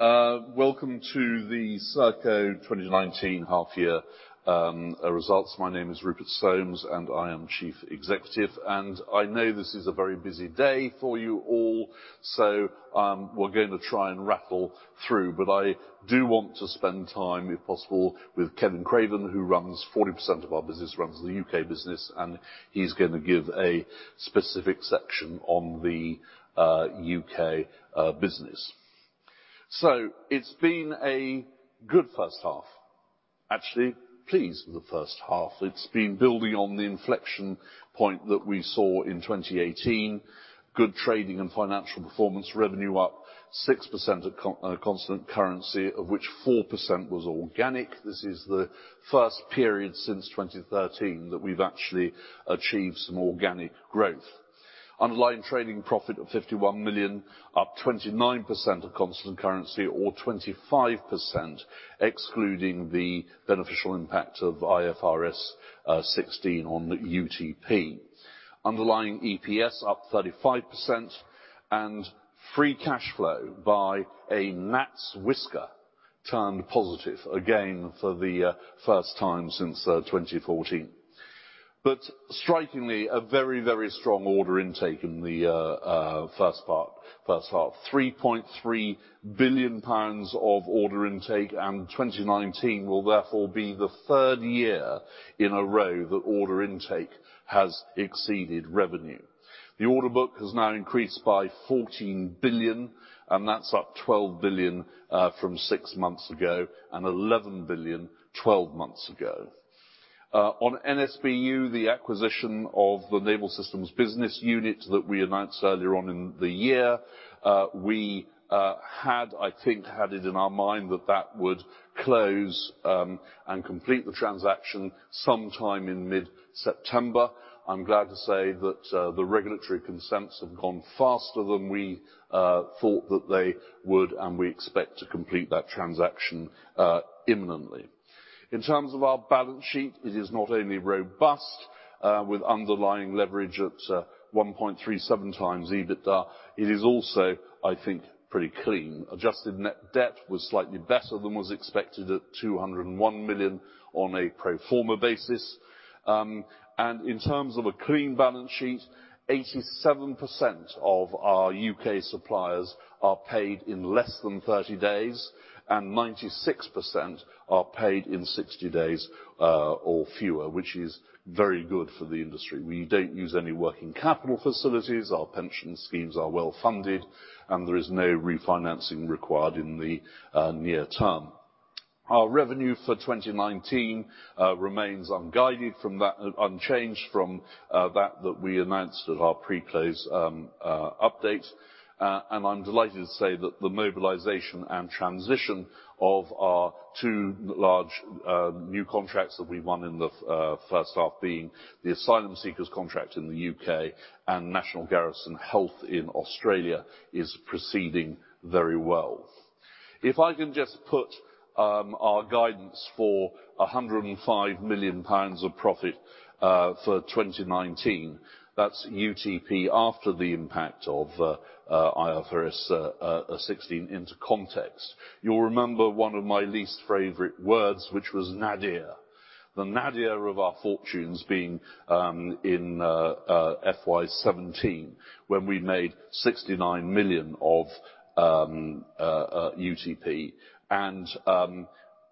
Welcome to the Serco 2019 half year results. My name is Rupert Soames, and I am Chief Executive. I know this is a very busy day for you all, so we're going to try and rattle through. I do want to spend time, if possible, with Kevin Craven, who runs 40% of our business, runs the U.K. business, and he's going to give a specific section on the U.K. business. It's been a good first half. Actually, pleased with the first half. It's been building on the inflection point that we saw in 2018. Good trading and financial performance, revenue up 6% at constant currency, of which 4% was organic. This is the first period since 2013 that we've actually achieved some organic growth. Underlying trading profit of 51 million, up 29% at constant currency or 25% excluding the beneficial impact of IFRS 16 on the UTP. Underlying EPS up 35% and free cash flow by a gnat's whisker turned positive again for the first time since 2014. Strikingly, a very, very strong order intake in the first part. 3.3 billion pounds of order intake, and 2019 will therefore be the third year in a row that order intake has exceeded revenue. The order book has now increased by 14 billion, and that's up 12 billion from six months ago and 11 billion 12 months ago. On NSBU, the acquisition of the Naval Systems Business Unit that we announced earlier on in the year, we had, I think, had it in our mind that that would close and complete the transaction sometime in mid-September. I'm glad to say that the regulatory consents have gone faster than we thought that they would, and we expect to complete that transaction imminently. In terms of our balance sheet, it is not only robust with underlying leverage at 1.37 times EBITDA, it is also, I think, pretty clean. Adjusted net debt was slightly better than was expected at 201 million on a pro forma basis. In terms of a clean balance sheet, 87% of our U.K. suppliers are paid in less than 30 days, and 96% are paid in 60 days or fewer, which is very good for the industry. We don't use any working capital facilities, our pension schemes are well-funded, and there is no refinancing required in the near term. Our revenue for 2019 remains unguided from that, unchanged from that that we announced at our pre-close update. I'm delighted to say that the mobilization and transition of our two large new contracts that we won in the first half being the Asylum Seekers contract in the U.K. and National Garrison Health in Australia is proceeding very well. If I can just put our guidance for 105 million pounds of profit for 2019, that's UTP after the impact of IFRS 16 into context. You'll remember one of my least favorite words, which was nadir. The nadir of our fortunes being in FY 2017 when we made 69 million of UTP and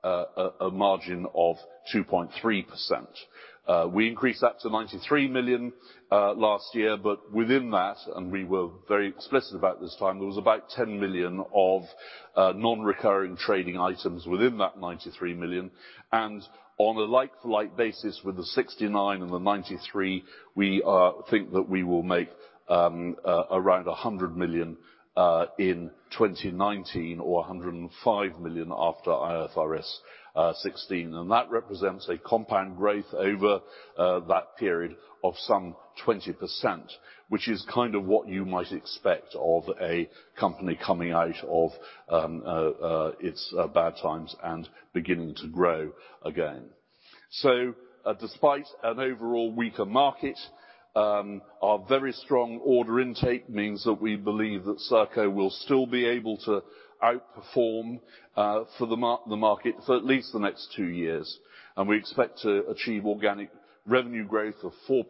a margin of 2.3%. We increased that to 93 million last year. Within that, and we were very explicit about this time, there was about 10 million of non-recurring trading items within that 93 million. On a like-for-like basis with the 69 and the 93, we think that we will make around 100 million in 2019 or 105 million after IFRS 16. That represents a compound growth over that period of some 20%, which is kind of what you might expect of a company coming out of its bad times and beginning to grow again. Despite an overall weaker market, our very strong order intake means that we believe that Serco will still be able to outperform for the market for at least the next two years. We expect to achieve organic revenue growth of 4%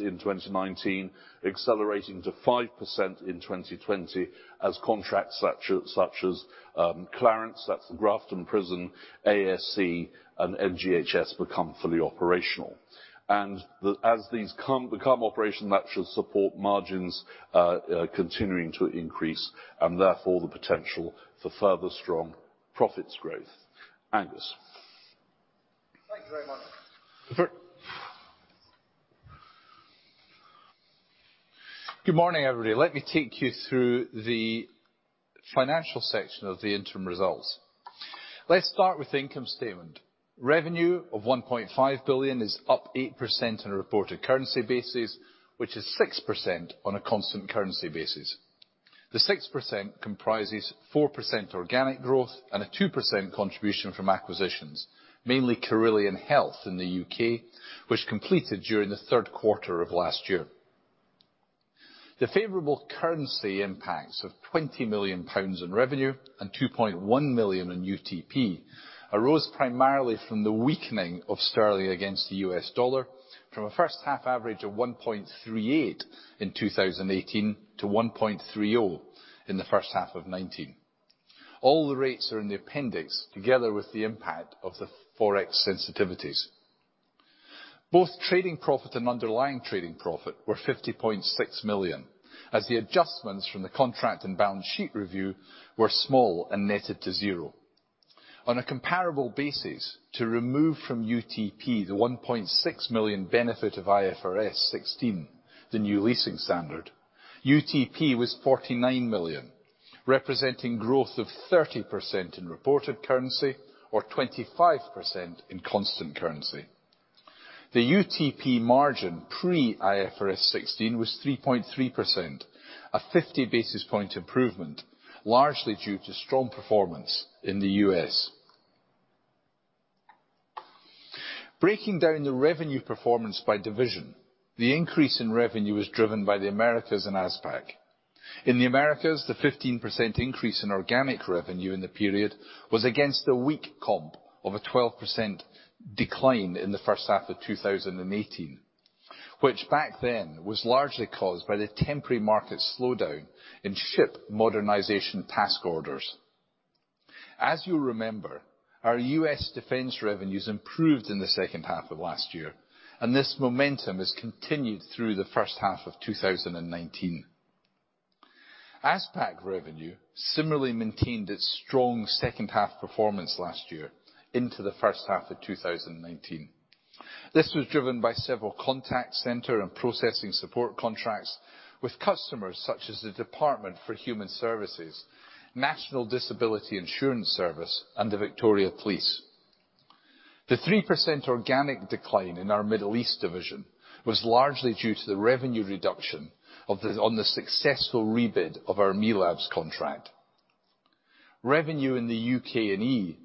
in 2019, accelerating to 5% in 2020 as contracts such as Clarence, that's the Grafton Prison, ASC, and NGHS become fully operational. As these become operational, that should support margins continuing to increase and therefore the potential for further strong profits growth. Angus? Thank you very much. Very- Good morning, everybody. Let me take you through the financial section of the interim results. Let's start with the income statement. Revenue of 1.5 billion is up 8% on a reported currency basis, which is 6% on a constant currency basis. The 6% comprises 4% organic growth and a 2% contribution from acquisitions, mainly Carillion Health in the U.K., which completed during the third quarter of last year. The favorable currency impacts of 20 million pounds in revenue and 2.1 million in UTP arose primarily from the weakening of sterling against the US dollar from a first half average of 1.38 in 2018 to 1.30 in the first half of 2019. All the rates are in the appendix, together with the impact of the Forex sensitivities. Both trading profit and underlying trading profit were 50.6 million, as the adjustments from the contract and balance sheet review were small and netted to zero. On a comparable basis, to remove from UTP the 1.6 million benefit of IFRS 16, the new leasing standard, UTP was 49 million, representing growth of 30% in reported currency or 25% in constant currency. The UTP margin pre IFRS 16 was 3.3%, a 50 basis point improvement, largely due to strong performance in the U.S. Breaking down the revenue performance by division, the increase in revenue is driven by the Americas and ASPAC. In the Americas, the 15% increase in organic revenue in the period was against a weak comp of a 12% decline in the first half of 2018, which back then was largely caused by the temporary market slowdown in ship modernization task orders. As you remember, our U.S. defense revenues improved in the second half of last year, and this momentum has continued through the first half of 2019. ASPAC revenue similarly maintained its strong second half performance last year into the first half of 2019. This was driven by several contact center and processing support contracts with customers such as the Department of Human Services, National Disability Insurance Scheme, and the Victoria Police. The 3% organic decline in our Middle East division was largely due to the revenue reduction on the successful rebid of our MELABS contract. Revenue in the UK&E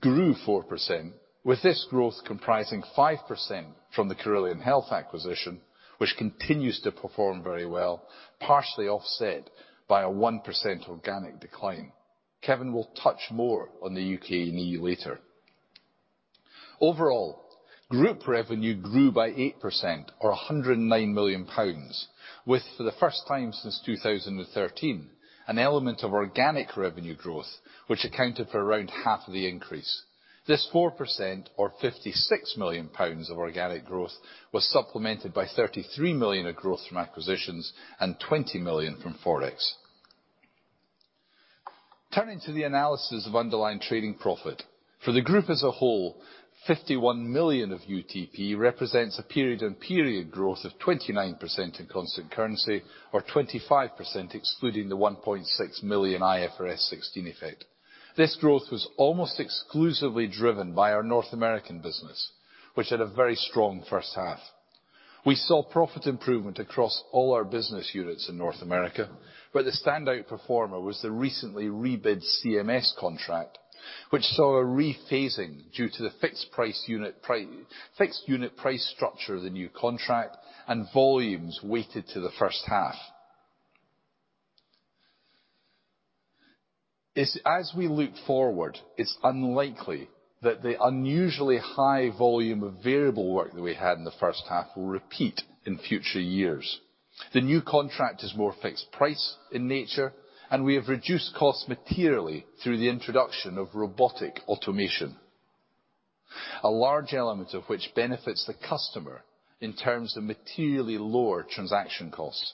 grew 4%, with this growth comprising 5% from the Carillion Health acquisition, which continues to perform very well, partially offset by a 1% organic decline. Kevin will touch more on the UK&E later. Overall, group revenue grew by 8% or 109 million pounds with, for the first time since 2013, an element of organic revenue growth, which accounted for around half of the increase. This 4%, or 56 million pounds of organic growth, was supplemented by 33 million of growth from acquisitions and 20 million from Forex. Turning to the analysis of underlying trading profit. For the group as a whole, 51 million of UTP represents a period-on-period growth of 29% in constant currency or 25%, excluding the 1.6 million IFRS 16 effect. This growth was almost exclusively driven by our North American business, which had a very strong first half. We saw profit improvement across all our business units in North America, where the standout performer was the recently rebid CMS contract, which saw a rephasing due to the fixed unit price structure of the new contract and volumes weighted to the first half. As we look forward, it is unlikely that the unusually high volume of variable work that we had in the first half will repeat in future years. The new contract is more fixed price in nature, and we have reduced costs materially through the introduction of robotic automation, a large element of which benefits the customer in terms of materially lower transaction costs.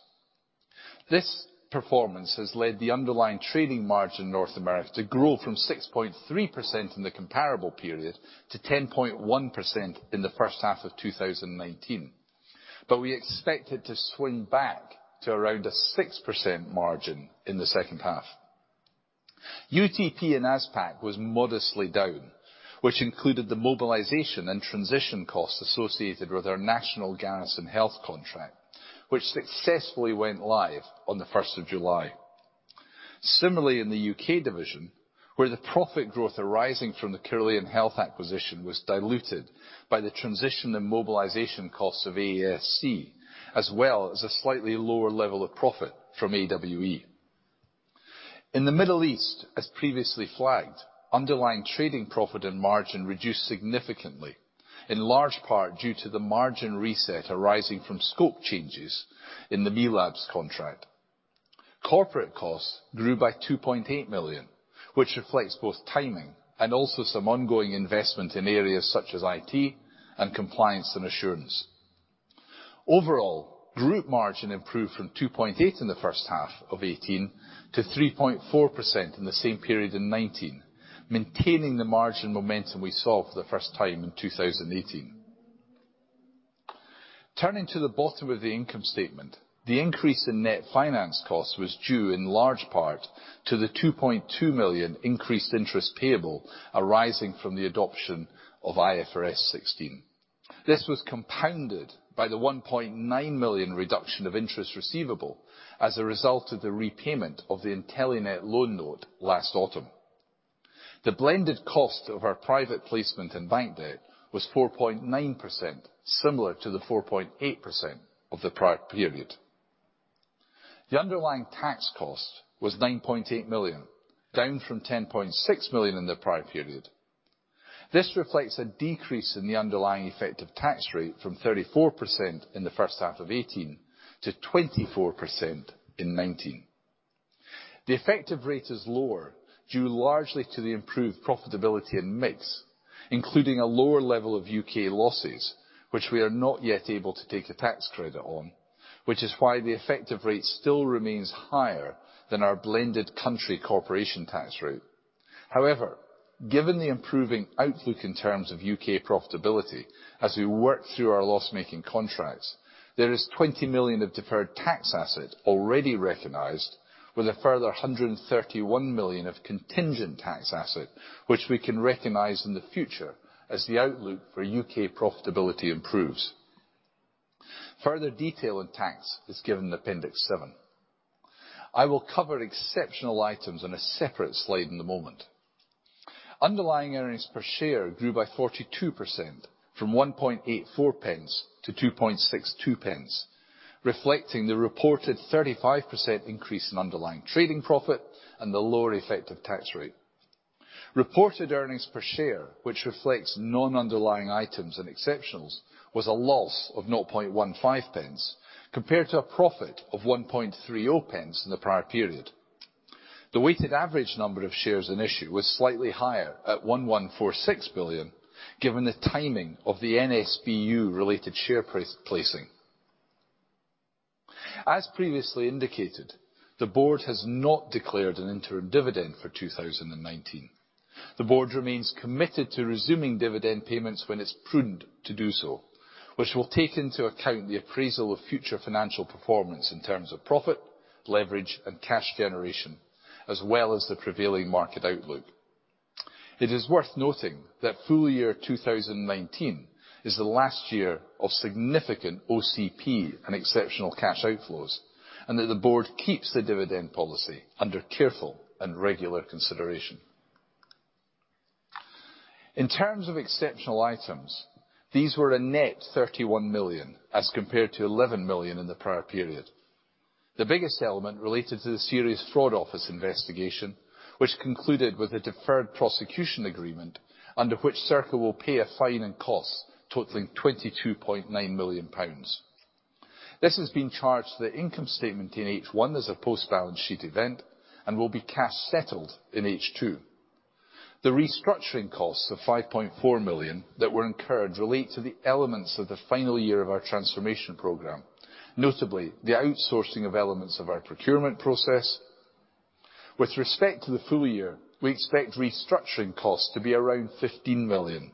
This performance has led the underlying trading margin in North America to grow from 6.3% in the comparable period to 10.1% in the first half of 2019. We expect it to swing back to around a 6% margin in the second half. UTP in ASPAC was modestly down, which included the mobilization and transition costs associated with our National Garrison Health contract, which successfully went live on the 1st of July. Similarly, in the U.K. division, where the profit growth arising from the Carillion Health acquisition was diluted by the transition and mobilization costs of ASC, as well as a slightly lower level of profit from AWE. In the Middle East, as previously flagged, underlying trading profit and margin reduced significantly, in large part due to the margin reset arising from scope changes in the MELABS contract. Corporate costs grew by 2.8 million, which reflects both timing and also some ongoing investment in areas such as IT and compliance and assurance. Overall, group margin improved from 2.8% in the first half of 2018 to 3.4% in the same period in 2019, maintaining the margin momentum we saw for the first time in 2018. Turning to the bottom of the income statement, the increase in net finance costs was due in large part to the 2.2 million increased interest payable arising from the adoption of IFRS 16. This was compounded by the 1.9 million reduction of interest receivable as a result of the repayment of the Intelenet loan note last autumn. The blended cost of our private placement and bank debt was 4.9%, similar to the 4.8% of the prior period. The underlying tax cost was 9.8 million, down from 10.6 million in the prior period. This reflects a decrease in the underlying effective tax rate from 34% in the first half of 2018 to 24% in 2019. The effective rate is lower, due largely to the improved profitability and mix, including a lower level of U.K. losses, which we are not yet able to take a tax credit on, which is why the effective rate still remains higher than our blended country corporation tax rate. However, given the improving outlook in terms of U.K. profitability, as we work through our loss-making contracts, there is 20 million of deferred tax asset already recognized, with a further 131 million of contingent tax asset, which we can recognize in the future as the outlook for U.K. profitability improves. Further detail on tax is given in appendix seven. I will cover exceptional items on a separate slide in a moment. Underlying earnings per share grew by 42%, from 0.0184 to 0.0262, reflecting the reported 35% increase in underlying trading profit and the lower effective tax rate. Reported earnings per share, which reflects non-underlying items and exceptionals, was a loss of 0.0015, compared to a profit of 0.0130 in the prior period. The weighted average number of shares in issue was slightly higher at 1,146 billion, given the timing of the NSBU related share placing. As previously indicated, the board has not declared an interim dividend for 2019. The board remains committed to resuming dividend payments when it's prudent to do so, which will take into account the appraisal of future financial performance in terms of profit, leverage, and cash generation, as well as the prevailing market outlook. It is worth noting that full year 2019 is the last year of significant OCP and exceptional cash outflows. The board keeps the dividend policy under careful and regular consideration. In terms of exceptional items, these were a net 31 million as compared to 11 million in the prior period. The biggest element related to the Serious Fraud Office investigation, which concluded with a deferred prosecution agreement, under which Serco will pay a fine and costs totaling 22.9 million pounds. This has been charged to the income statement in H1 as a post-balance sheet event and will be cash settled in H2. The restructuring costs of 5.4 million that were incurred relate to the elements of the final year of our transformation program, notably the outsourcing of elements of our procurement process. With respect to the full year, we expect restructuring costs to be around 15 million.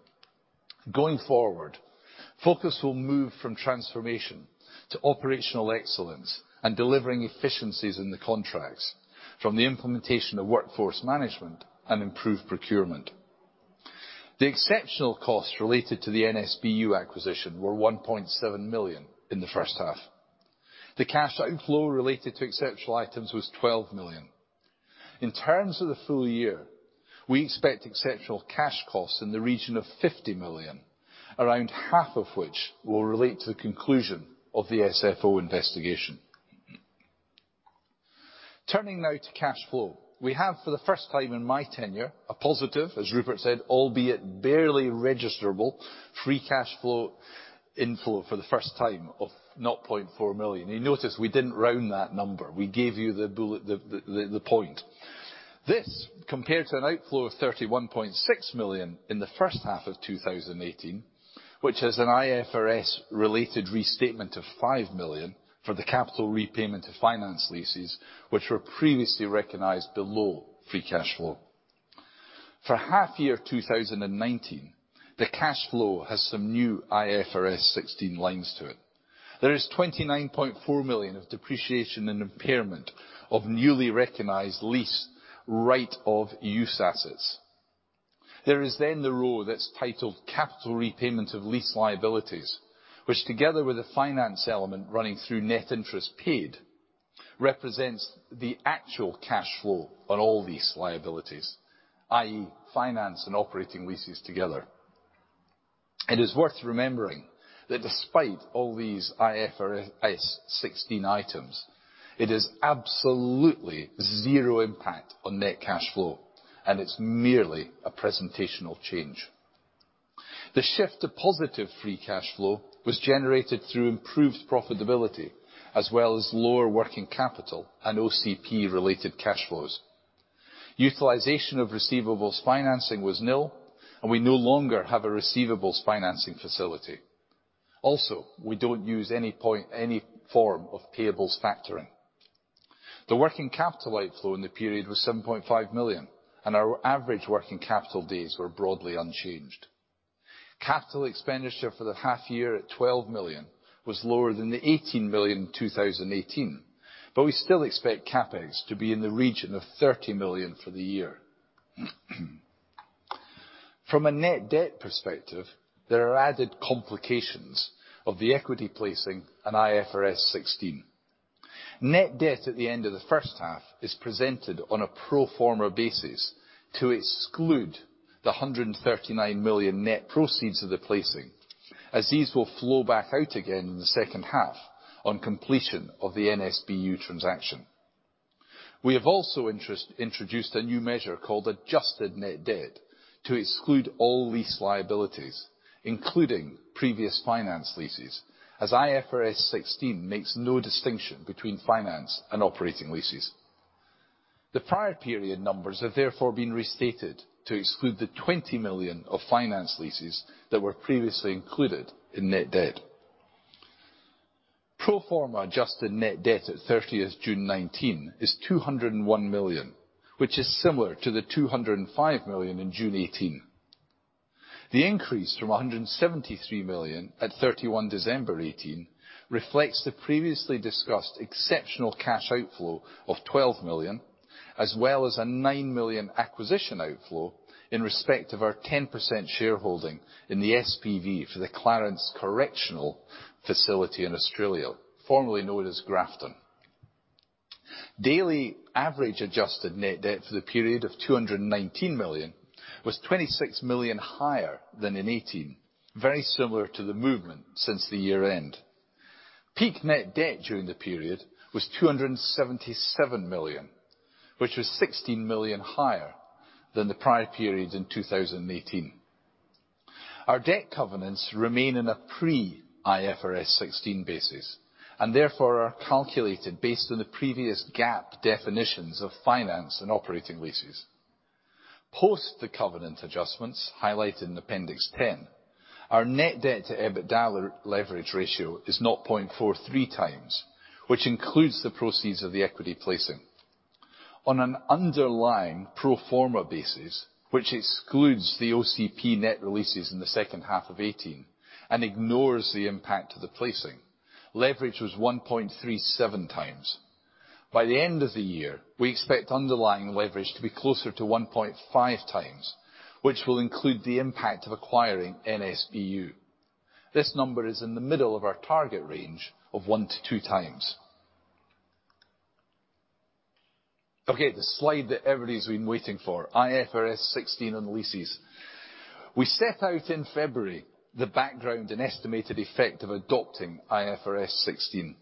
Focus will move from transformation to operational excellence and delivering efficiencies in the contracts from the implementation of workforce management and improved procurement. The exceptional costs related to the NSBU acquisition were 1.7 million in the first half. The cash outflow related to exceptional items was 12 million. In terms of the full year, we expect exceptional cash costs in the region of 50 million, around half of which will relate to the conclusion of the SFO investigation. Turning now to cash flow. We have, for the first time in my tenure, a positive, as Rupert said, albeit barely registerable, free cash flow inflow for the first time of 0.4 million. You notice we didn't round that number. We gave you the point. This, compared to an outflow of 31.6 million in the first half of 2018, which has an IFRS-related restatement of 5 million for the capital repayment to finance leases, which were previously recognized below free cash flow. For half year 2019, the cash flow has some new IFRS 16 lines to it. There is 29.4 million of depreciation and impairment of newly recognized lease right-of-use assets. There is then the row that's titled capital repayment of lease liabilities, which together with the finance element running through net interest paid, represents the actual cash flow on all these liabilities, i.e., finance and operating leases together. It is worth remembering that despite all these IFRS 16 items, it has absolutely zero impact on net cash flow, and it's merely a presentational change. The shift to positive free cash flow was generated through improved profitability as well as lower working capital and OCP-related cash flows. Utilization of receivables financing was nil, and we no longer have a receivables financing facility. Also, we don't use any form of payables factoring. The working capital outflow in the period was 7.5 million, and our average working capital days were broadly unchanged. Capital expenditure for the half year at 12 million was lower than the 18 million in 2018, but we still expect CapEx to be in the region of 30 million for the year. From a net debt perspective, there are added complications of the equity placing an IFRS 16. Net debt at the end of the first half is presented on a pro forma basis to exclude the 139 million net proceeds of the placing, as these will flow back out again in the second half on completion of the NSBU transaction. We have also introduced a new measure called adjusted net debt to exclude all lease liabilities, including previous finance leases, as IFRS 16 makes no distinction between finance and operating leases. The prior period numbers have therefore been restated to exclude the 20 million of finance leases that were previously included in net debt. Pro forma adjusted net debt at 30th June 2019 is 201 million, which is similar to the 205 million in June 2018. The increase from 173 million at 31 December 2018 reflects the previously discussed exceptional cash outflow of 12 million, as well as a 9 million acquisition outflow in respect of our 10% shareholding in the SPV for the Clarence Correctional Facility in Australia, formerly known as Grafton. Daily average adjusted net debt for the period of 219 million was 26 million higher than in 2018, very similar to the movement since the year end. Peak net debt during the period was 277 million, which was 16 million higher than the prior period in 2018. Our debt covenants remain in a pre-IFRS 16 basis, and therefore are calculated based on the previous GAAP definitions of finance and operating leases. Post the covenant adjustments highlighted in Appendix 10, our net debt to EBITDA leverage ratio is 0.43 times, which includes the proceeds of the equity placing. On an underlying pro forma basis, which excludes the OCP net releases in the second half of 2018 and ignores the impact of the placing, leverage was 1.37 times. By the end of the year, we expect underlying leverage to be closer to 1.5 times, which will include the impact of acquiring NSBU. This number is in the middle of our target range of 1-2 times. Okay, the slide that everybody's been waiting for, IFRS 16 on leases. We set out in February the background and estimated effect of adopting IFRS 16.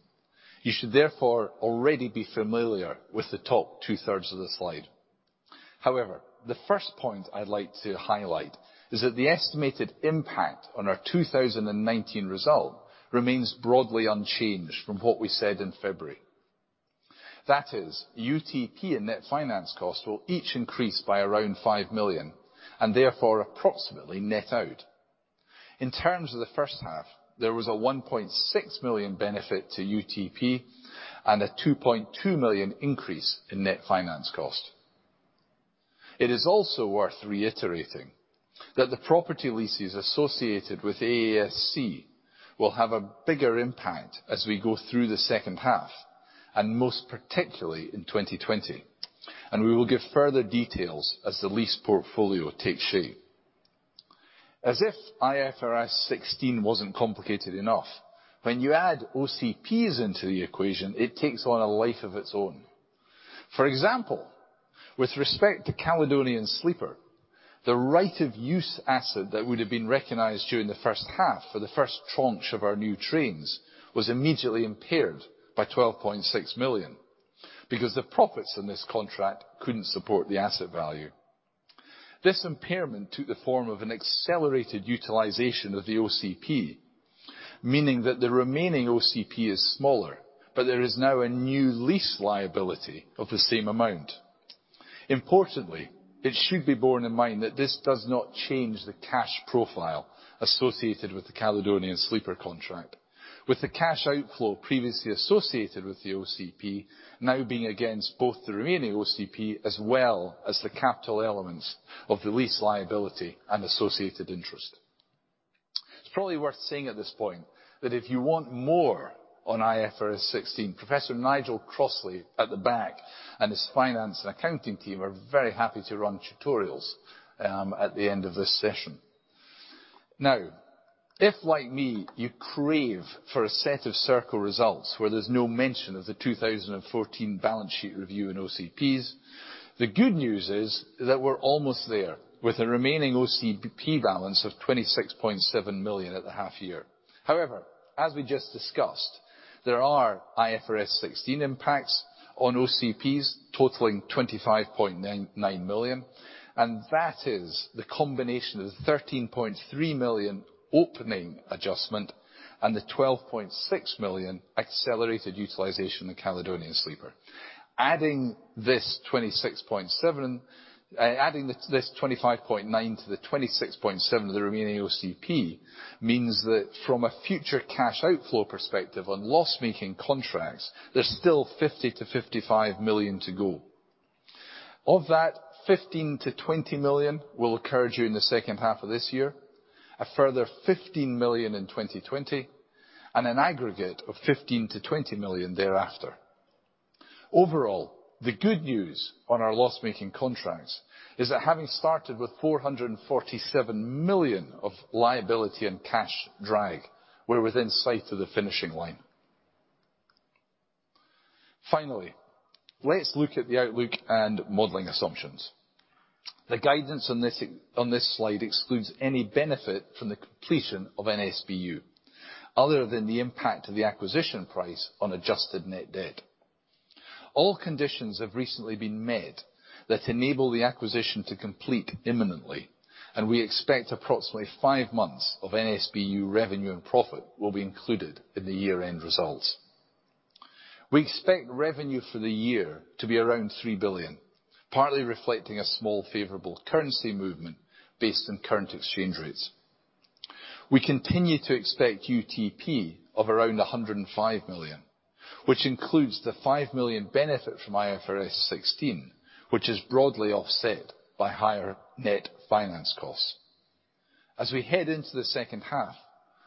You should therefore already be familiar with the top two-thirds of the slide. The first point I'd like to highlight is that the estimated impact on our 2019 result remains broadly unchanged from what we said in February. That is UTP and net finance cost will each increase by around 5 million, and therefore approximately net out. In terms of the first half, there was a 1.6 million benefit to UTP and a 2.2 million increase in net finance cost. It is also worth reiterating that the property leases associated with AASC will have a bigger impact as we go through the second half, and most particularly in 2020. We will give further details as the lease portfolio takes shape. As if IFRS 16 wasn't complicated enough, when you add OCPs into the equation, it takes on a life of its own. For example, with respect to Caledonian Sleeper, the right of use asset that would have been recognized during the first half for the first tranche of our new trains was immediately impaired by 12.6 million because the profits in this contract couldn't support the asset value. This impairment took the form of an accelerated utilization of the OCP, meaning that the remaining OCP is smaller, but there is now a new lease liability of the same amount. Importantly, it should be borne in mind that this does not change the cash profile associated with the Caledonian Sleeper contract. With the cash outflow previously associated with the OCP now being against both the remaining OCP as well as the capital elements of the lease liability and associated interest. It's probably worth saying at this point that if you want more on IFRS 16, Professor Nigel Crossland at the back and his finance and accounting team are very happy to run tutorials at the end of this session. If like me, you crave for a set of Serco results where there's no mention of the 2014 balance sheet review in OCPs, the good news is that we're almost there with a remaining OCP balance of 26.7 million at the half year. However, as we just discussed, there are IFRS 16 impacts on OCPs totaling 25.9 million, and that is the combination of the 13.3 million opening adjustment and the 12.6 million accelerated utilization of Caledonian Sleeper. Adding this 25.9 to the 26.7 of the remaining OCP means that from a future cash outflow perspective on loss-making contracts, there's still 50 million-55 million to go. Of that, 15 million-20 million will occur during the second half of this year, a further 15 million in 2020, and an aggregate of 15 million-20 million thereafter. Overall, the good news on our loss-making contracts is that having started with 447 million of liability and cash drag, we're within sight of the finishing line. Finally, let's look at the outlook and modeling assumptions. The guidance on this slide excludes any benefit from the completion of NSBU, other than the impact of the acquisition price on adjusted net debt. All conditions have recently been met that enable the acquisition to complete imminently, and we expect approximately 5 months of NSBU revenue and profit will be included in the year-end results. We expect revenue for the year to be around 3 billion, partly reflecting a small favorable currency movement based on current exchange rates. We continue to expect UTP of around 105 million, which includes the 5 million benefit from IFRS 16, which is broadly offset by higher net finance costs. As we head into the second half,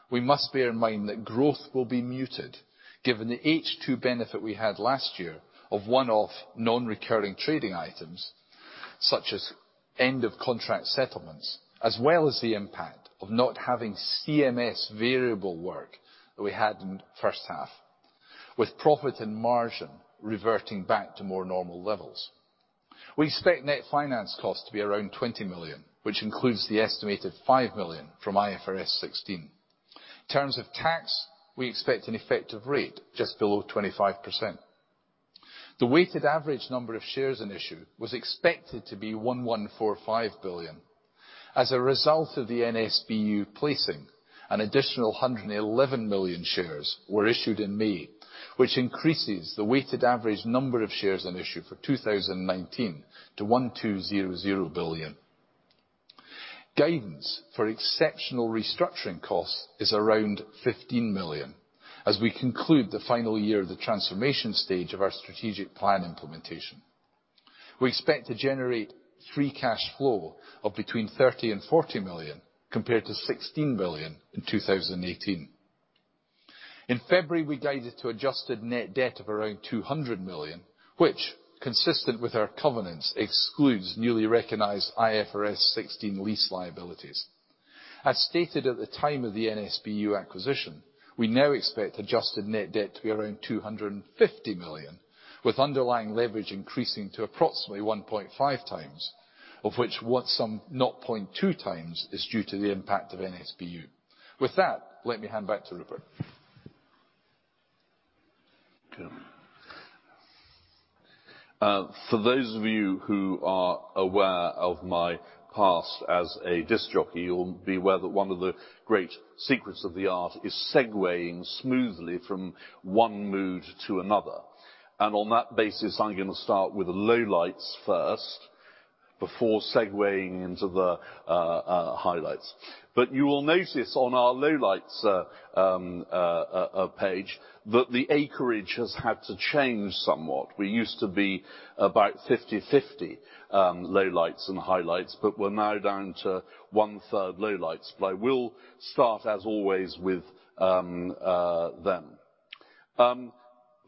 we must bear in mind that growth will be muted given the H2 benefit we had last year of one-off non-recurring trading items, such as end-of-contract settlements, as well as the impact of not having CMS variable work that we had in the first half, with profit and margin reverting back to more normal levels. We expect net finance costs to be around 20 million, which includes the estimated 5 million from IFRS 16. In terms of tax, we expect an effective rate just below 25%. The weighted average number of shares in issue was expected to be 1,145 billion. As a result of the NSBU placing, an additional 111 million shares were issued in May, which increases the weighted average number of shares in issue for 2019 to 1,200 million. Guidance for exceptional restructuring costs is around 15 million as we conclude the final year of the transformation stage of our strategic plan implementation. We expect to generate free cash flow of between 30 million and 40 million, compared to 16 million in 2018. In February, we guided to adjusted net debt of around 200 million, which consistent with our covenants excludes newly recognized IFRS 16 lease liabilities. As stated at the time of the NSBU acquisition, we now expect adjusted net debt to be around 250 million, with underlying leverage increasing to approximately 1.5 times, of which 0.2 times is due to the impact of NSBU. With that, let me hand back to Rupert. For those of you who are aware of my past as a disc jockey, you will be aware that one of the great secrets of the art is segueing smoothly from one mood to another. On that basis, I am going to start with the lowlights first before segueing into the highlights. You will notice on our lowlights page that the acreage has had to change somewhat. We used to be about 50/50 lowlights and highlights, but we are now down to one-third lowlights. I will start, as always, with them.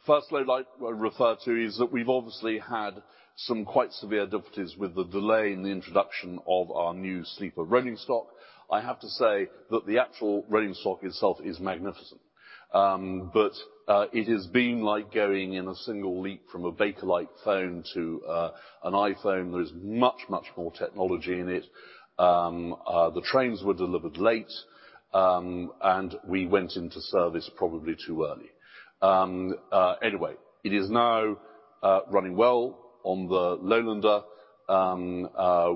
First lowlight I refer to is that we have obviously had some quite severe difficulties with the delay in the introduction of our new sleeper rolling stock. I have to say that the actual rolling stock itself is magnificent. It has been like going in a single leap from a Bakelite phone to an iPhone. There is much more technology in it. The trains were delivered late, and we went into service probably too early. Anyway, it is now running well on the Lowlander.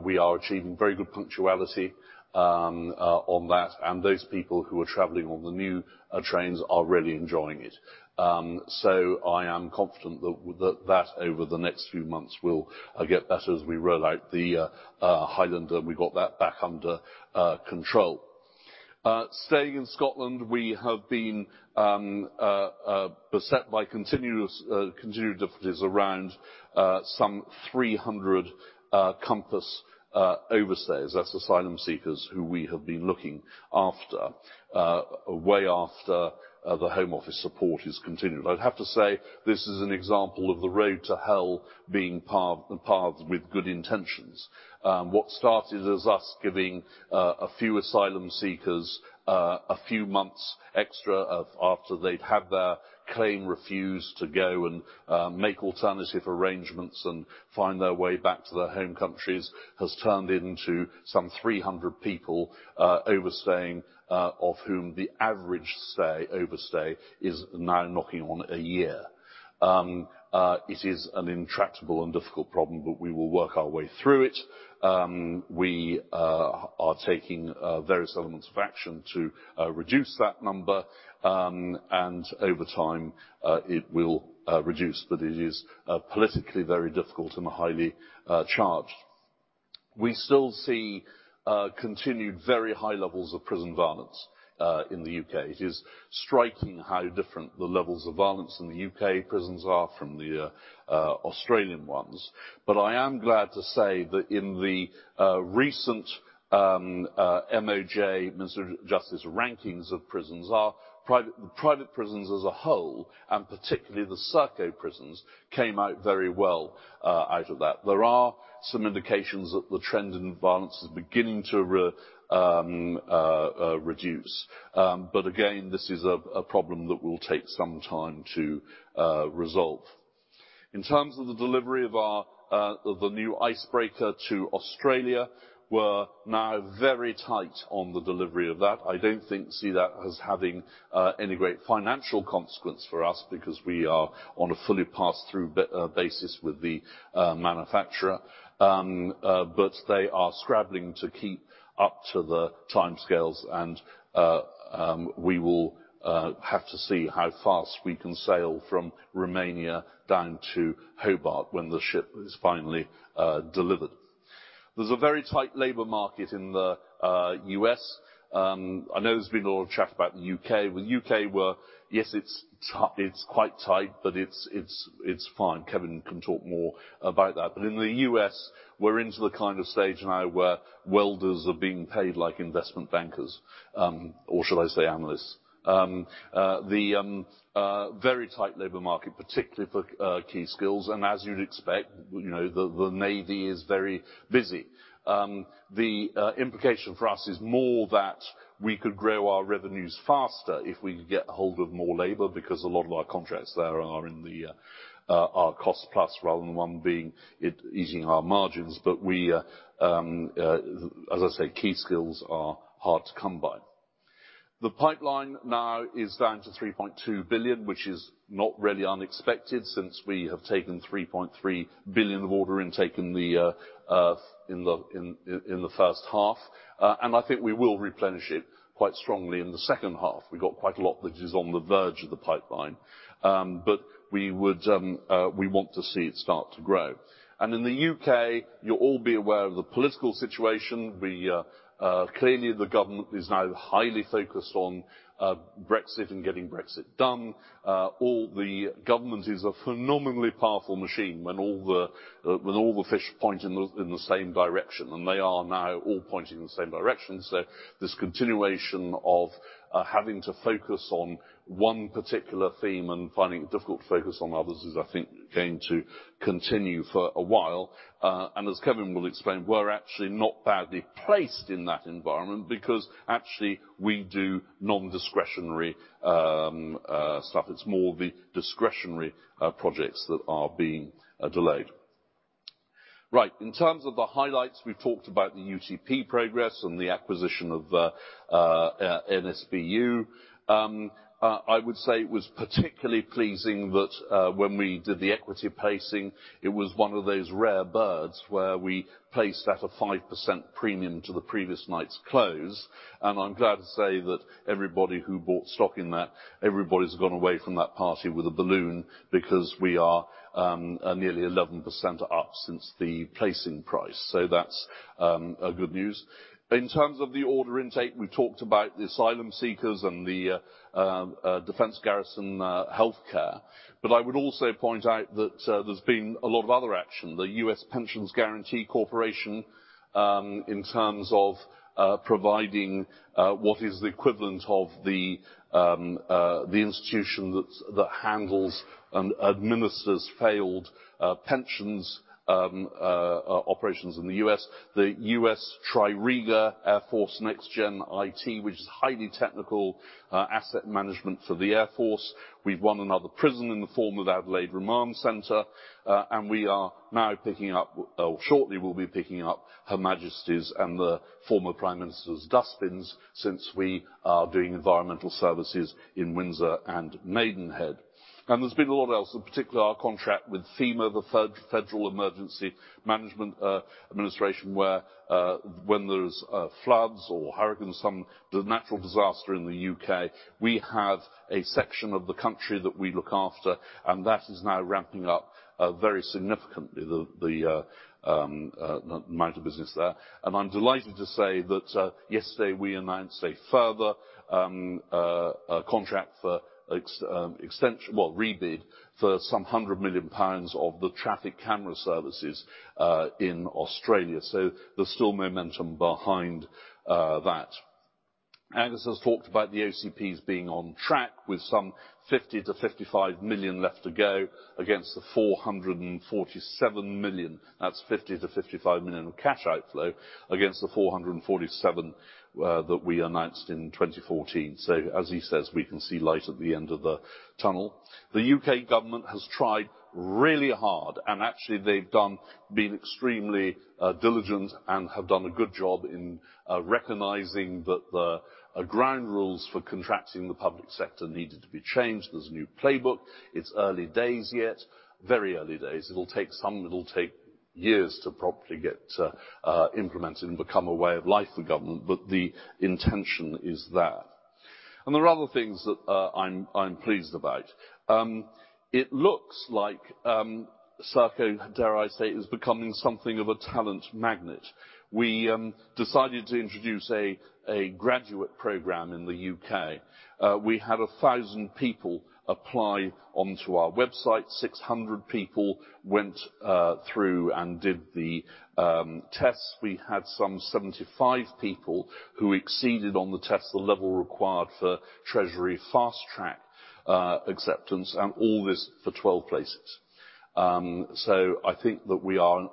We are achieving very good punctuality on that, and those people who are traveling on the new trains are really enjoying it. I am confident that over the next few months, we'll get better as we roll out the Highlander. We've got that back under control. Staying in Scotland, we have been beset by continued difficulties around some 300 COMPASS overstayers. That's Asylum Seekers who we have been looking after way after the Home Office support has continued. I'd have to say this is an example of the road to hell being paved with good intentions. What started as us giving a few Asylum Seekers a few months extra after they'd had their claim refused to go and make alternative arrangements and find their way back to their home countries has turned into some 300 people overstaying, of whom the average overstay is now knocking on a year. It is an intractable and difficult problem, but we will work our way through it. We are taking various elements of action to reduce that number, and over time, it will reduce, but it is politically very difficult and highly charged. We still see continued very high levels of prison violence in the U.K. It is striking how different the levels of violence in the U.K. prisons are from the Australian ones. I am glad to say that in the recent MoJ, Ministry of Justice, rankings of prisons, private prisons as a whole, and particularly the Serco prisons, came out very well out of that. There are some indications that the trend in violence is beginning to reduce. Again, this is a problem that will take some time to resolve. In terms of the delivery of the new icebreaker to Australia, we're now very tight on the delivery of that. I don't see that as having any great financial consequence for us because we are on a fully pass-through basis with the manufacturer. They are scrabbling to keep up to the timescales, and we will have to see how fast we can sail from Romania down to Hobart when the ship is finally delivered. There's a very tight labor market in the U.S. I know there's been a lot of chat about the U.K. With U.K., yes, it's quite tight, but it's fine. Kevin can talk more about that. In the U.S., we're into the kind of stage now where welders are being paid like investment bankers. Should I say analysts? Very tight labor market, particularly for key skills. As you'd expect, the Navy is very busy. The implication for us is more that we could grow our revenues faster if we could get a hold of more labor because a lot of our contracts there are cost plus rather than one being, eating our margins. As I say, key skills are hard to come by. The pipeline now is down to 3.2 billion, which is not really unexpected since we have taken 3.3 billion of order intake in the first half. I think we will replenish it quite strongly in the second half. We got quite a lot that is on the verge of the pipeline. We want to see it start to grow. In the U.K., you'll all be aware of the political situation. Clearly, the government is now highly focused on Brexit and getting Brexit done. The government is a phenomenally powerful machine when all the fish point in the same direction, and they are now all pointing in the same direction. This continuation of having to focus on one particular theme and finding it difficult to focus on others is, I think, going to continue for a while. As Kevin will explain, we're actually not badly placed in that environment because actually we do non-discretionary stuff. It's more the discretionary projects that are being delayed. Right. In terms of the highlights, we talked about the UTP progress and the acquisition of NSBU. I would say it was particularly pleasing that when we did the equity placing, it was one of those rare birds where we placed at a 5% premium to the previous night's close. I'm glad to say that everybody who bought stock in that, everybody's gone away from that party with a balloon because we are nearly 11% up since the placing price. That's good news. In terms of the order intake, we talked about the asylum seekers and the defense garrison healthcare. I would also point out that there's been a lot of other action. The Pension Benefit Guaranty Corporation, in terms of providing what is the equivalent of the institution that handles and administers failed pensions operations in the U.S. The U.S. Tririga Air Force NextGen IT, which is highly technical asset management for the Air Force. We've won another prison in the form of Adelaide Remand Centre. We are now picking up, or shortly will be picking up Her Majesty's and the former Prime Minister's dustbins, since we are doing environmental services in Windsor and Maidenhead. There's been a lot else, in particular our contract with FEMA, the Federal Emergency Management Agency, where when there's floods or hurricanes, some natural disaster in the U.K., we have a section of the country that we look after, and that is now ramping up very significantly the amount of business there. I'm delighted to say that yesterday we announced a further contract for rebid for some 100 million pounds of the traffic camera services in Australia. There's still momentum behind that. Angus has talked about the OCPs being on track with some 50 million-55 million left to go against the 447 million. That's 50 million-55 million of cash outflow against the 447 million that we announced in 2014. As he says, we can see light at the end of the tunnel. The U.K. government has tried really hard, and actually they've been extremely diligent and have done a good job in recognizing that the ground rules for contracting the public sector needed to be changed. There's a new playbook. It's early days yet. Very early days. It'll take years to properly get implemented and become a way of life for government, but the intention is there. There are other things that I'm pleased about. It looks like Serco, dare I say, is becoming something of a talent magnet. We decided to introduce a graduate program in the U.K. We had 1,000 people apply onto our website, 600 people went through and did the tests. We had some 75 people who exceeded on the test the level required for Treasury fast track acceptance. All this for 12 places. I think that we are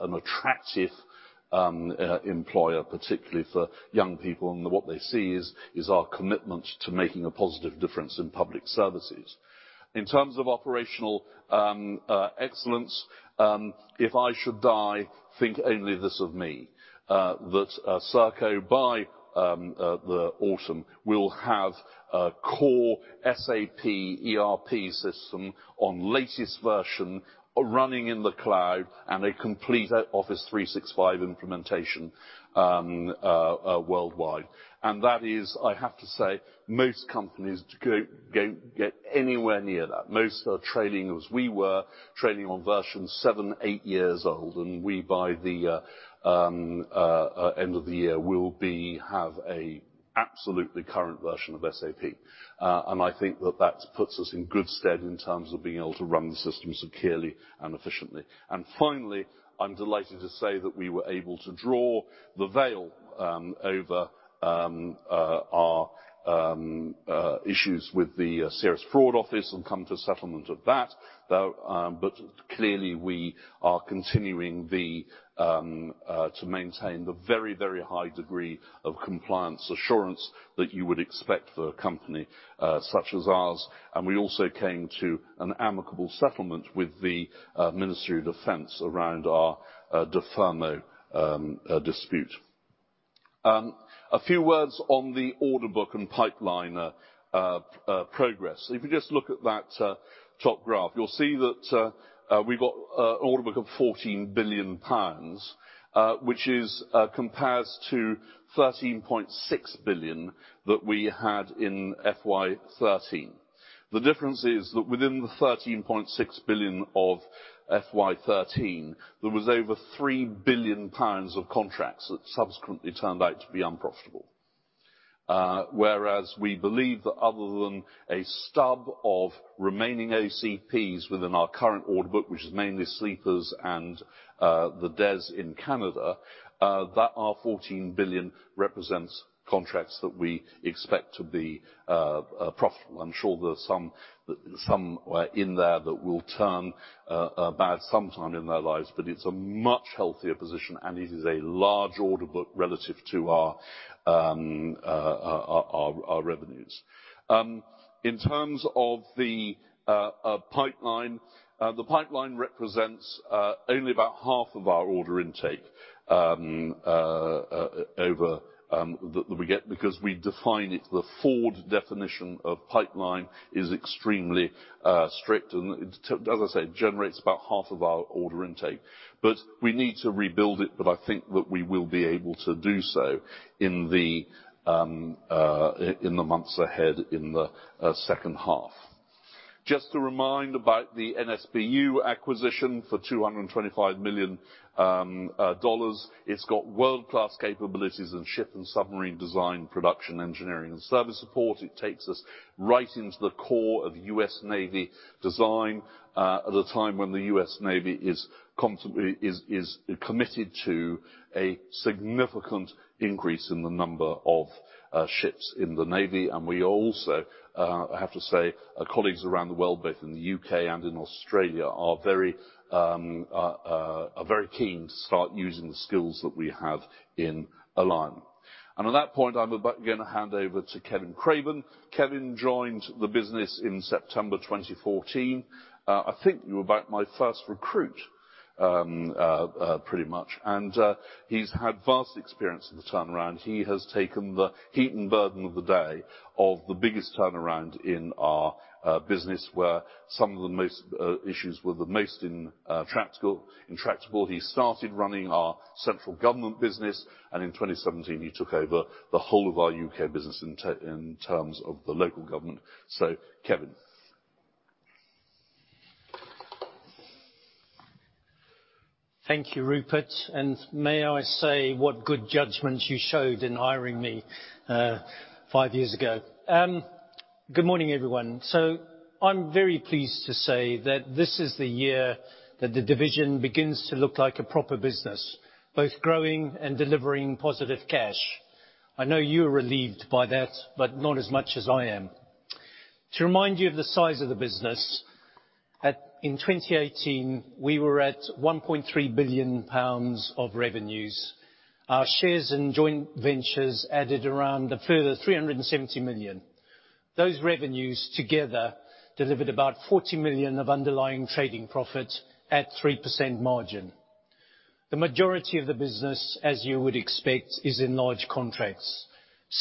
an attractive employer, particularly for young people. What they see is our commitment to making a positive difference in public services. In terms of operational excellence, if I should die, think only this of me, that Serco by the autumn will have a core SAP ERP system on latest version running in the cloud and a complete Office 365 implementation worldwide. That is, I have to say, most companies don't get anywhere near that. Most are training as we were, training on versions seven, eight years old. We by the end of the year will have a absolutely current version of SAP. I think that puts us in good stead in terms of being able to run the system securely and efficiently. Finally, I'm delighted to say that we were able to draw the veil over our issues with the Serious Fraud Office and come to a settlement of that. Clearly, we are continuing to maintain the very high degree of compliance assurance that you would expect for a company such as ours. We also came to an amicable settlement with the Ministry of Defence around our DFRP dispute. A few words on the order book and pipeline progress. If you just look at that top graph, you'll see that we've got an order book of 14 billion pounds, which is compares to 13.6 billion that we had in FY 2013. The difference is that within the 13.6 billion of FY 2013, there was over 3 billion pounds of contracts that subsequently turned out to be unprofitable. We believe that other than a stub of remaining OCPs within our current order book, which is mainly Sleepers and the DES in Canada, that our 14 billion represents contracts that we expect to be profitable. I'm sure there are some in there that will turn bad sometime in their lives, but it's a much healthier position, and it is a large order book relative to our revenues. In terms of the pipeline, the pipeline represents only about half of our order intake that we get because we define it, the forward definition of pipeline is extremely strict and, as I say, generates about half of our order intake. We need to rebuild it, but I think that we will be able to do so in the months ahead in the second half. Just a reminder about the NSBU acquisition for $225 million. It's got world-class capabilities in ship and submarine design, production, engineering, and service support. It takes us right into the core of the US Navy design at a time when the US Navy is committed to a significant increase in the number of ships in the Navy. We also, I have to say, colleagues around the world, both in the U.K. and in Australia, are very keen to start using the skills that we have in Alion. At that point, I'm about going to hand over to Kevin Craven. Kevin joined the business in September 2014. I think you were about my first recruit pretty much. He's had vast experience in the turnaround. He has taken the heat and burden of the day of the biggest turnaround in our business, where some of the most issues were the most intractable. He started running our central government business, in 2017, he took over the whole of our U.K. business in terms of the local government. Kevin. Thank you, Rupert. May I say what good judgment you showed in hiring me five years ago. Good morning, everyone. I'm very pleased to say that this is the year that the division begins to look like a proper business, both growing and delivering positive cash. I know you're relieved by that, but not as much as I am. To remind you of the size of the business, in 2018, we were at 1.3 billion pounds of revenues. Our shares and joint ventures added around a further 370 million. Those revenues together delivered about 40 million of underlying trading profit at 3% margin. The majority of the business, as you would expect, is in large contracts.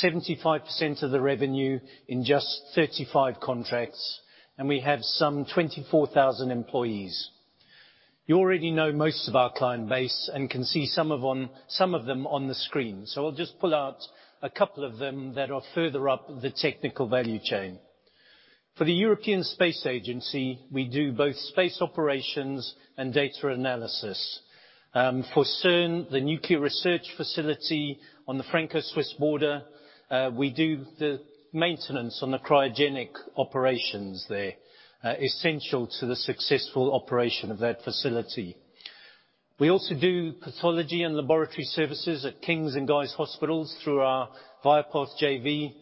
75% of the revenue in just 35 contracts, and we have some 24,000 employees. You already know most of our client base and can see some of them on the screen. I'll just pull out a couple of them that are further up the technical value chain. For the European Space Agency, we do both space operations and data analysis. For CERN, the nuclear research facility on the Franco-Swiss border, we do the maintenance on the cryogenic operations there, essential to the successful operation of that facility. We also do pathology and laboratory services at King's and Guy's hospitals through our Viapath JV,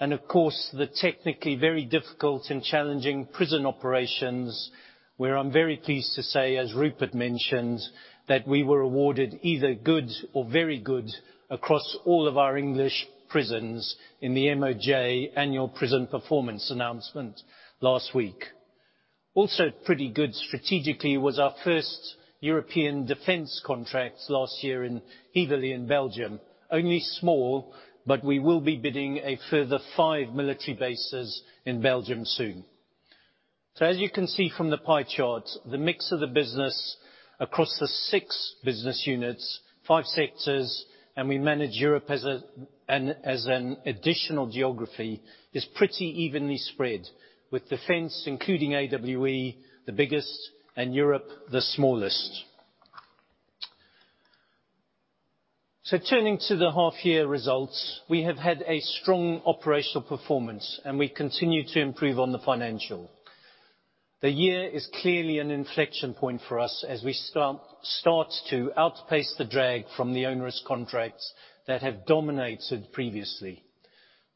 and of course, the technically very difficult and challenging prison operations, where I'm very pleased to say, as Rupert mentioned, that we were awarded either good or very good across all of our English prisons in the MoJ annual prison performance announcement last week. Also pretty good strategically was our first European defense contract last year in Beveren, Belgium. Only small, we will be bidding a further five military bases in Belgium soon. As you can see from the pie chart, the mix of the business across the six business units, five sectors, and we manage Europe as an additional geography, is pretty evenly spread with Defense, including AWE, the biggest, and Europe, the smallest. Turning to the half year results, we have had a strong operational performance, and we continue to improve on the financial. The year is clearly an inflection point for us as we start to outpace the drag from the onerous contracts that have dominated previously.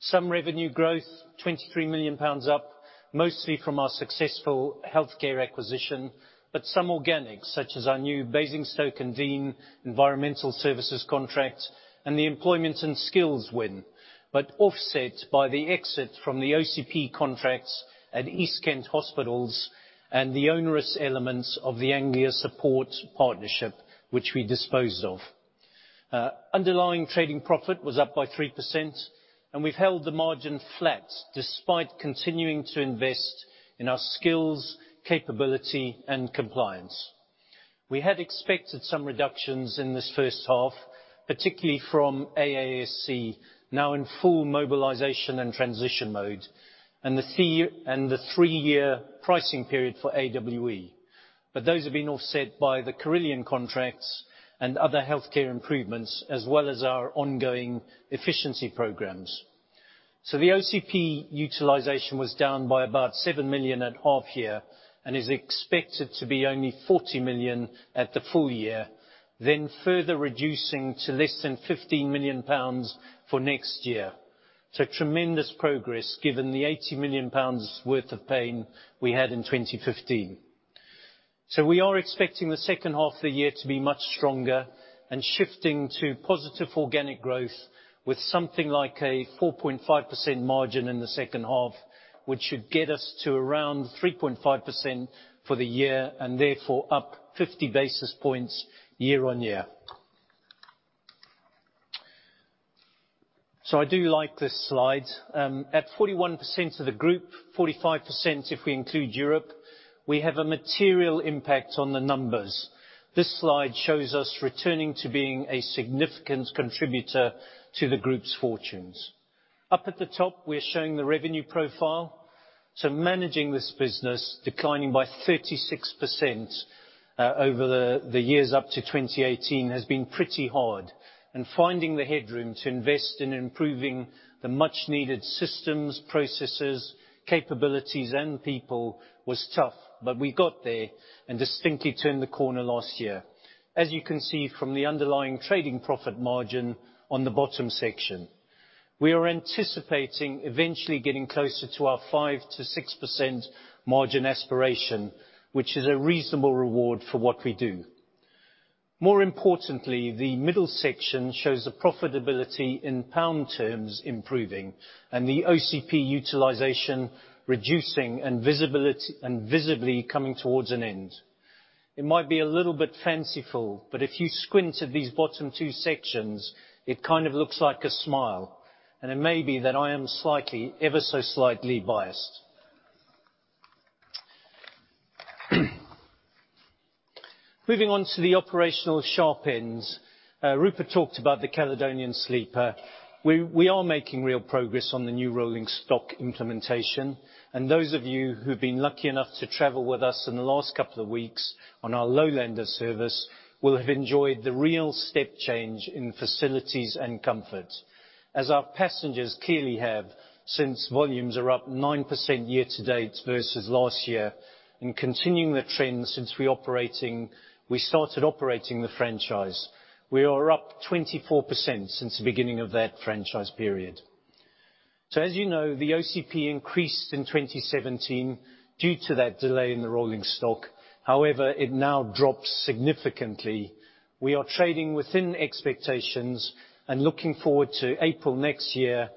Some revenue growth, 23 million pounds up, mostly from our successful healthcare acquisition, but some organic, such as our new Basingstoke and Deane environmental services contract, and the employment and skills win, but offset by the exit from the OCP contracts at East Kent Hospitals and the onerous elements of the Anglia Support Partnership, which we disposed of. Underlying trading profit was up by 3%, and we've held the margin flat despite continuing to invest in our skills, capability, and compliance. We had expected some reductions in this first half, particularly from AASC, now in full mobilization and transition mode, and the three-year pricing period for AWE. Those have been offset by the Carillion contracts and other healthcare improvements, as well as our ongoing efficiency programs. The OCP utilization was down by about 7 million at half year, and is expected to be only 40 million at the full year, then further reducing to less than 15 million pounds for next year. Tremendous progress given the 80 million pounds worth of pain we had in 2015. We are expecting the second half of the year to be much stronger and shifting to positive organic growth with something like a 4.5% margin in the second half, which should get us to around 3.5% for the year and therefore up 50 basis points year-on-year. I do like this slide. At 41% of the group, 45% if we include Europe, we have a material impact on the numbers. This slide shows us returning to being a significant contributor to the group's fortunes. Up at the top, we're showing the revenue profile. Managing this business, declining by 36% over the years up to 2018 has been pretty hard, and finding the headroom to invest in improving the much-needed systems, processes, capabilities, and people was tough. We got there and distinctly turned the corner last year, as you can see from the underlying trading profit margin on the bottom section. We are anticipating eventually getting closer to our 5%-6% margin aspiration, which is a reasonable reward for what we do. More importantly, the middle section shows the profitability in pound terms improving and the OCP utilization reducing and visibly coming towards an end. It might be a little bit fanciful, but if you squint at these bottom two sections, it kind of looks like a smile, and it may be that I am slightly, ever so slightly biased. Moving on to the operational sharp ends. Rupert talked about the Caledonian Sleeper. We are making real progress on the new rolling stock implementation, and those of you who've been lucky enough to travel with us in the last couple of weeks on our Lowlander service will have enjoyed the real step change in facilities and comfort, as our passengers clearly have, since volumes are up 9% year to date versus last year, and continuing the trend since we started operating the franchise. We are up 24% since the beginning of that franchise period. As you know, the OCP increased in 2017 due to that delay in the rolling stock. However, it now drops significantly. We are trading within expectations and looking forward to April next year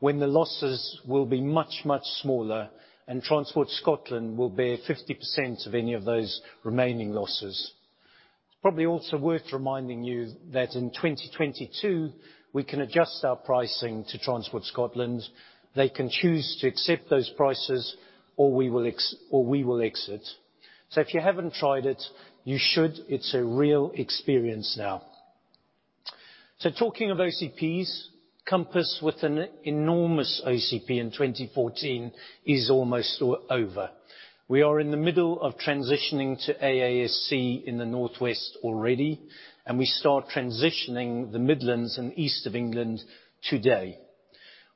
when the losses will be much, much smaller and Transport Scotland will bear 50% of any of those remaining losses. It's probably also worth reminding you that in 2022, we can adjust our pricing to Transport Scotland. They can choose to accept those prices, or we will exit. If you haven't tried it, you should. It's a real experience now. Talking of OCPs, COMPASS with an enormous OCP in 2014 is almost over. We are in the middle of transitioning to AASC in the Northwest already, and we start transitioning the Midlands and East of England today.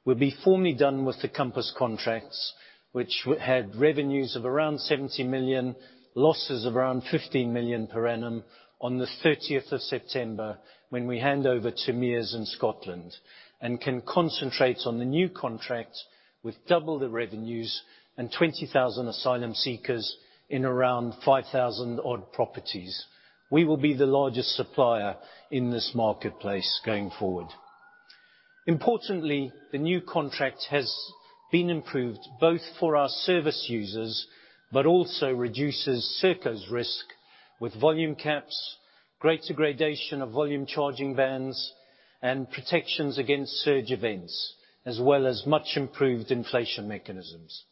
We'll be formally done with the COMPASS contracts, which had revenues of around 70 million, losses of around 15 million per annum on the 13th of September, when we hand over to Mears in Scotland, can concentrate on the new contract with double the revenues and 20,000 asylum seekers in around 5,000 odd properties. We will be the largest supplier in this marketplace going forward. Importantly, the new contract has been improved both for our service users, also reduces Serco's risk with volume caps, greater gradation of volume charging bans, protections against surge events, as well as much improved inflation mechanisms.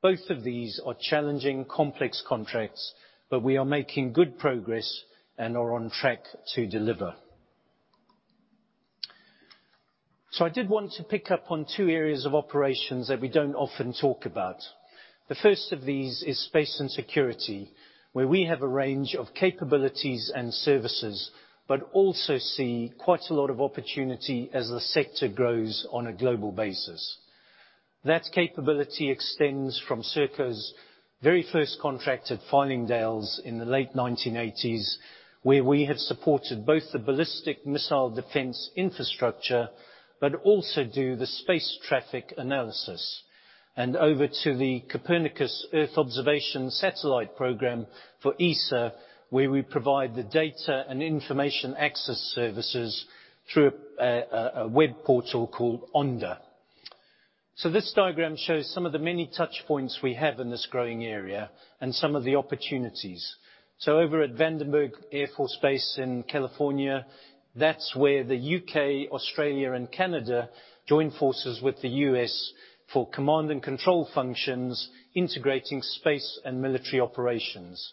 Both of these are challenging, complex contracts, we are making good progress are on track to deliver. I did want to pick up on two areas of operations that we don't often talk about. The first of these is space and security, where we have a range of capabilities and services, also see quite a lot of opportunity as the sector grows on a global basis. That capability extends from Serco's very first contract at Fylingdales in the late 1980s, where we have supported both the ballistic missile defense infrastructure, also do the space traffic analysis. Over to the Copernicus Earth observation satellite program for ESA, where we provide the data and information access services through a web portal called ONDA. This diagram shows some of the many touch points we have in this growing area and some of the opportunities. Over at Vandenberg Air Force Base in California, that's where the U.K., Australia, and Canada join forces with the U.S. for command and control functions, integrating space and military operations.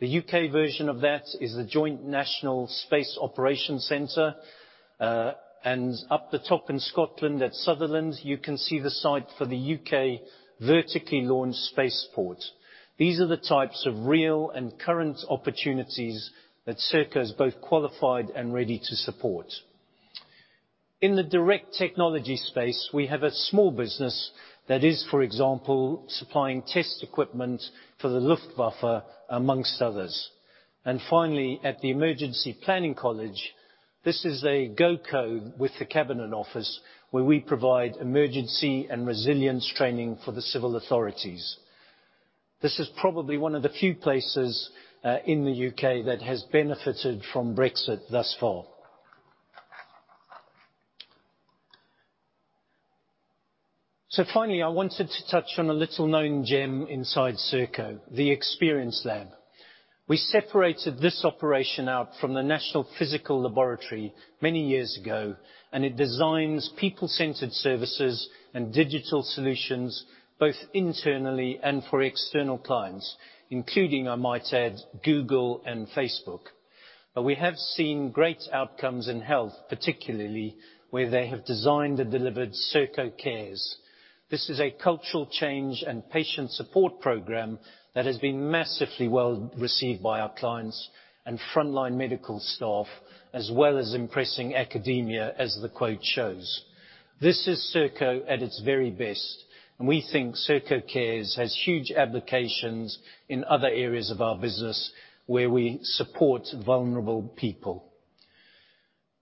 The U.K. version of that is the Joint National Space Operations Centre. Up the top in Scotland at Sutherland, you can see the site for the U.K. vertically launched spaceport. These are the types of real and current opportunities that Serco is both qualified and ready to support. In the direct technology space, we have a small business that is, for example, supplying test equipment for the Luftwaffe, amongst others. Finally, at the Emergency Planning College, this is a GoCo with the Cabinet Office, where we provide emergency and resilience training for the civil authorities. This is probably one of the few places in the U.K. that has benefited from Brexit thus far. Finally, I wanted to touch on a little-known gem inside Serco, the ExperienceLab. We separated this operation out from the National Physical Laboratory many years ago. It designs people-centered services and digital solutions both internally and for external clients, including, I might add, Google and Facebook. We have seen great outcomes in health, particularly where they have designed and delivered Serco Cares. This is a cultural change and patient support program that has been massively well received by our clients and frontline medical staff, as well as impressing academia as the quote shows. This is Serco at its very best. We think Serco Cares has huge applications in other areas of our business where we support vulnerable people.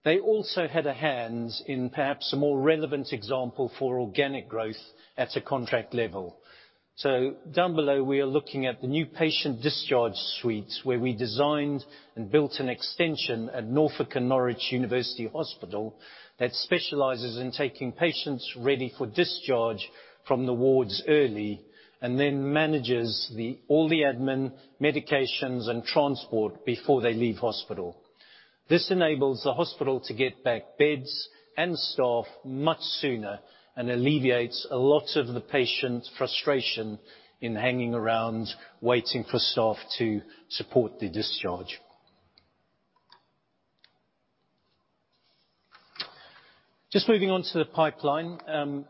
They also had a hand in perhaps a more relevant example for organic growth at a contract level. Down below, we are looking at the new patient discharge suites where we designed and built an extension at Norfolk and Norwich University Hospital that specializes in taking patients ready for discharge from the wards early, and then manages all the admin, medications, and transport before they leave hospital. This enables the hospital to get back beds and staff much sooner and alleviates a lot of the patient frustration in hanging around waiting for staff to support the discharge. Just moving on to the pipeline.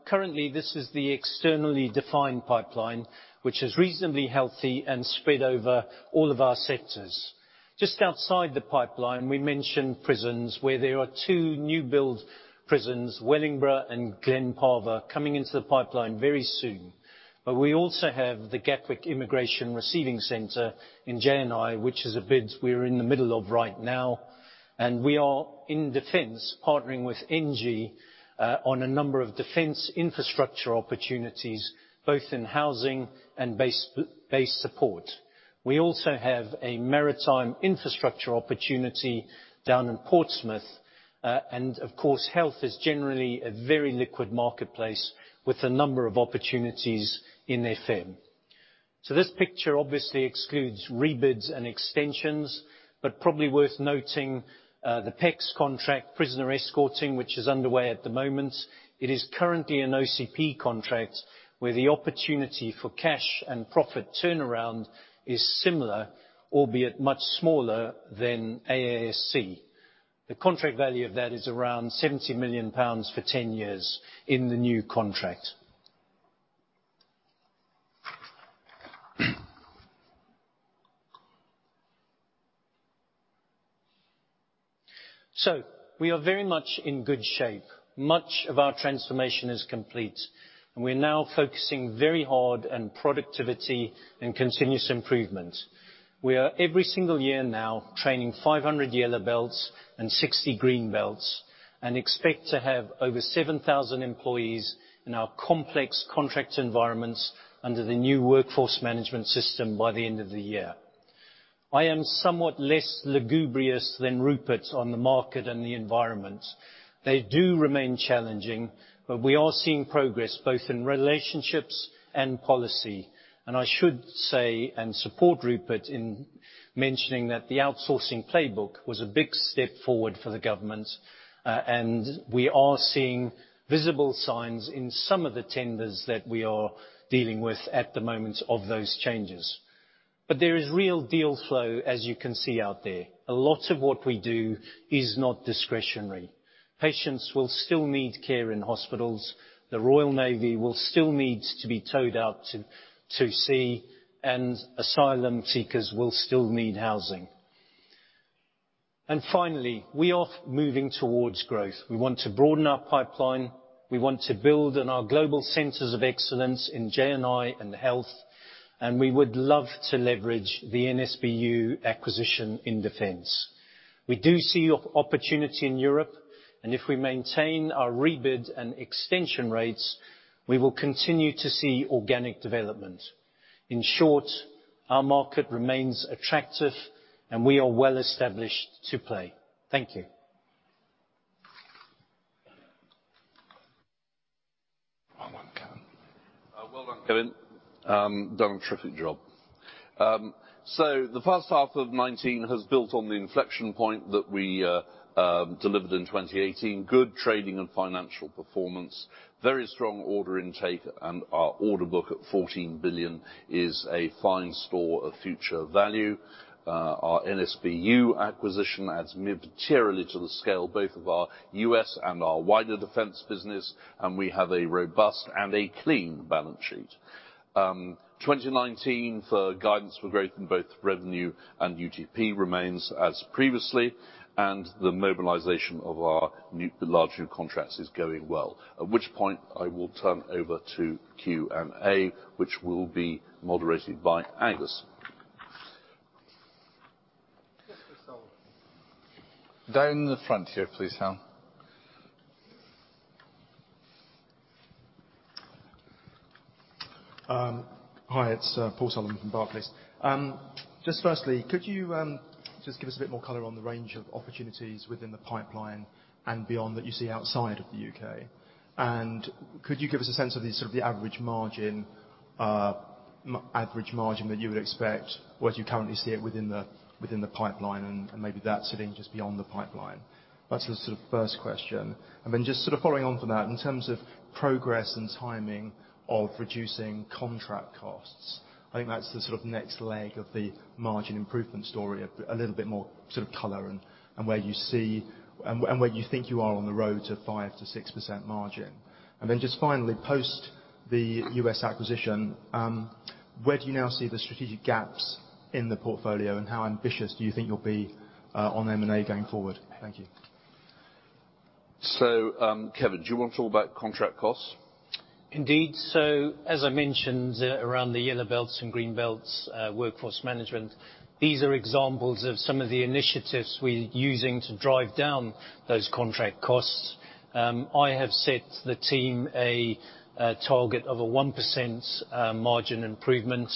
Currently, this is the externally defined pipeline, which is reasonably healthy and spread over all of our sectors. Just outside the pipeline, we mentioned prisons where there are two new build prisons, Wellingborough and Glen Parva, coming into the pipeline very soon. We also have the Gatwick Immigration Removal Centre in J&I, which is a bid we are in the middle of right now, and we are in defense partnering with ENGIE, on a number of defense infrastructure opportunities, both in housing and base support. We also have a maritime infrastructure opportunity down in Portsmouth. Of course, health is generally a very liquid marketplace with a number of opportunities in FM. This picture obviously excludes rebids and extensions, but probably worth noting, the PECS contract, prisoner escorting, which is underway at the moment. It is currently an OCP contract where the opportunity for cash and profit turnaround is similar, albeit much smaller than AASC. The contract value of that is around GBP 70 million for 10 years in the new contract. We are very much in good shape. Much of our transformation is complete, and we're now focusing very hard on productivity and continuous improvement. We are, every single year now, training 500 yellow belts and 60 green belts, and expect to have over 7,000 employees in our complex contract environments under the new workforce management system by the end of the year. I am somewhat less lugubrious than Rupert on the market and the environment. They do remain challenging, but we are seeing progress both in relationships and policy. I should say, and support Rupert in mentioning that the outsourcing playbook was a big step forward for the government, and we are seeing visible signs in some of the tenders that we are dealing with at the moment of those changes. There is real deal flow, as you can see out there. A lot of what we do is not discretionary. Patients will still need care in hospitals. The Royal Navy will still need to be towed out to sea, and Asylum Seekers will still need housing. Finally, we are moving towards growth. We want to broaden our pipeline. We want to build in our global centers of excellence in J&I and health, and we would love to leverage the NSBU acquisition in defense. We do see opportunity in Europe, and if we maintain our rebid and extension rates, we will continue to see organic development. In short, our market remains attractive, and we are well established to play. Thank you. Well done, Kevin. Well done, Kevin. Done a terrific job. The first half of 2019 has built on the inflection point that we delivered in 2018. Good trading and financial performance, very strong order intake, and our order book at 14 billion is a fine store of future value. Our NSBU acquisition adds materially to the scale, both of our U.S. and our wider defense business, and we have a robust and a clean balance sheet. 2019, for guidance for growth in both revenue and UTP remains as previously, and the mobilization of our large new contracts is going well. At which point I will turn over to Q&A, which will be moderated by Angus. Just a moment. Down in the front here, please, Al. Hi, it's Paul Sullivan from Barclays. Just firstly, could you just give us a bit more color on the range of opportunities within the pipeline and beyond that you see outside of the U.K.? Could you give us a sense of the average margin that you would expect, or as you currently see it within the pipeline and maybe that sitting just beyond the pipeline? That's the sort of first question. Then just following on from that, in terms of progress and timing of reducing contract costs, I think that's the sort of next leg of the margin improvement story. A little bit more color on where you think you are on the road to 5% to 6% margin. Just finally, post the U.S. acquisition, where do you now see the strategic gaps in the portfolio, and how ambitious do you think you'll be on M&A going forward? Thank you. Kevin, do you want to talk about contract costs? Indeed. As I mentioned around the Yellow Belts and Green Belts workforce management, these are examples of some of the initiatives we're using to drive down those contract costs. I have set the team a target of a 1% margin improvement.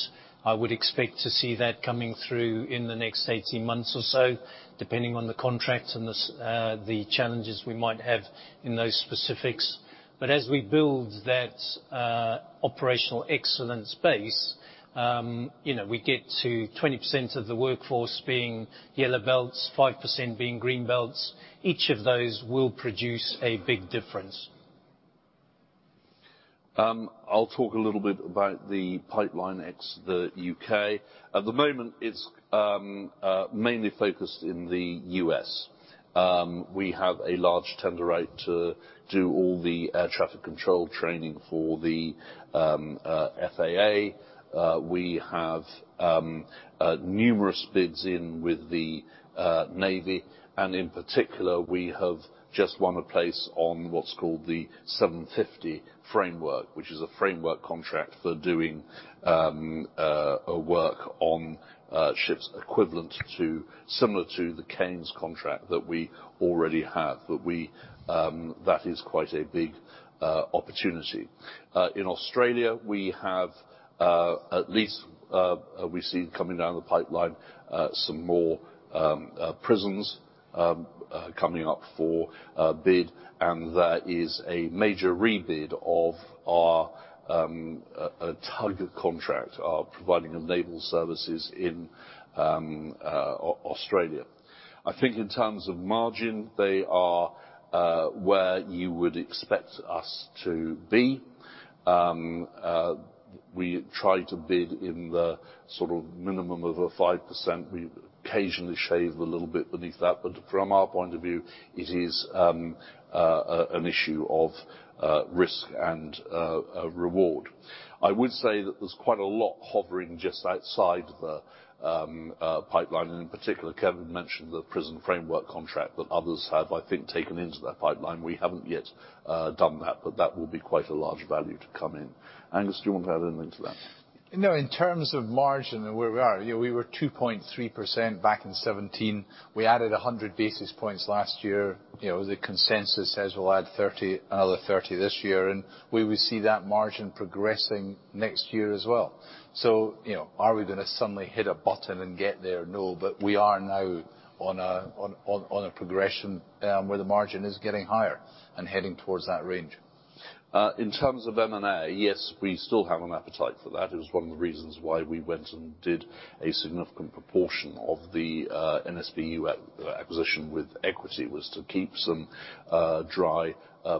I would expect to see that coming through in the next 18 months or so, depending on the contracts and the challenges we might have in those specifics. As we build that operational excellence base, we get to 20% of the workforce being Yellow Belts, 5% being Green Belts. Each of those will produce a big difference. I'll talk a little bit about the pipeline ex the U.K. At the moment, it's mainly focused in the U.S. We have a large tender out to do all the air traffic control training for the FAA. We have numerous bids in with the Navy, and in particular, we have just won a place on what's called the 750 framework, which is a framework contract for doing work on ships equivalent to, similar to the Cairns contract that we already have. That is quite a big opportunity. In Australia, we have at least, we see coming down the pipeline, some more prisons coming up for bid, and that is a major rebid of our target contract, our providing of naval services in Australia. I think in terms of margin, they are where you would expect us to be. We try to bid in the minimum of a 5%. We occasionally shave a little bit beneath that, but from our point of view, it is an issue of risk and reward. I would say that there's quite a lot hovering just outside the pipeline, and in particular, Kevin mentioned the prison framework contract that others have, I think, taken into their pipeline. We haven't yet done that, but that will be quite a large value to come in. Angus, do you want to add anything to that? In terms of margin and where we are, we were 2.3% back in 2017. We added 100 basis points last year. The consensus says we'll add another 30 this year. We will see that margin progressing next year as well. Are we going to suddenly hit a button and get there? No. We are now on a progression where the margin is getting higher and heading towards that range. In terms of M&A, yes, we still have an appetite for that. It was one of the reasons why we went and did a significant proportion of the NSBU acquisition with equity, was to keep some dry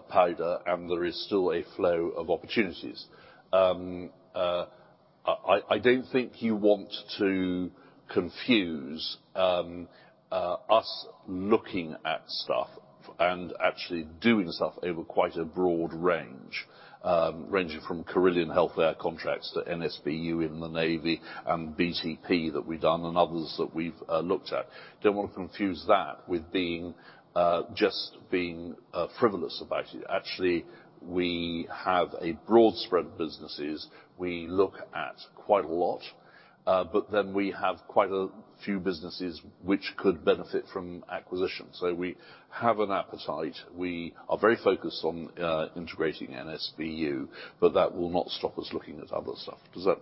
powder, and there is still a flow of opportunities. I don't think you want to confuse us looking at stuff and actually doing stuff over quite a broad range, ranging from Carillion healthcare contracts to NSBU in the Navy, and BTP that we've done, and others that we've looked at. Don't want to confuse that with just being frivolous about it. Actually, we have a broad spread of businesses. We look at quite a lot. We have quite a few businesses which could benefit from acquisition. We have an appetite. We are very focused on integrating NSBU, but that will not stop us looking at other stuff. Does that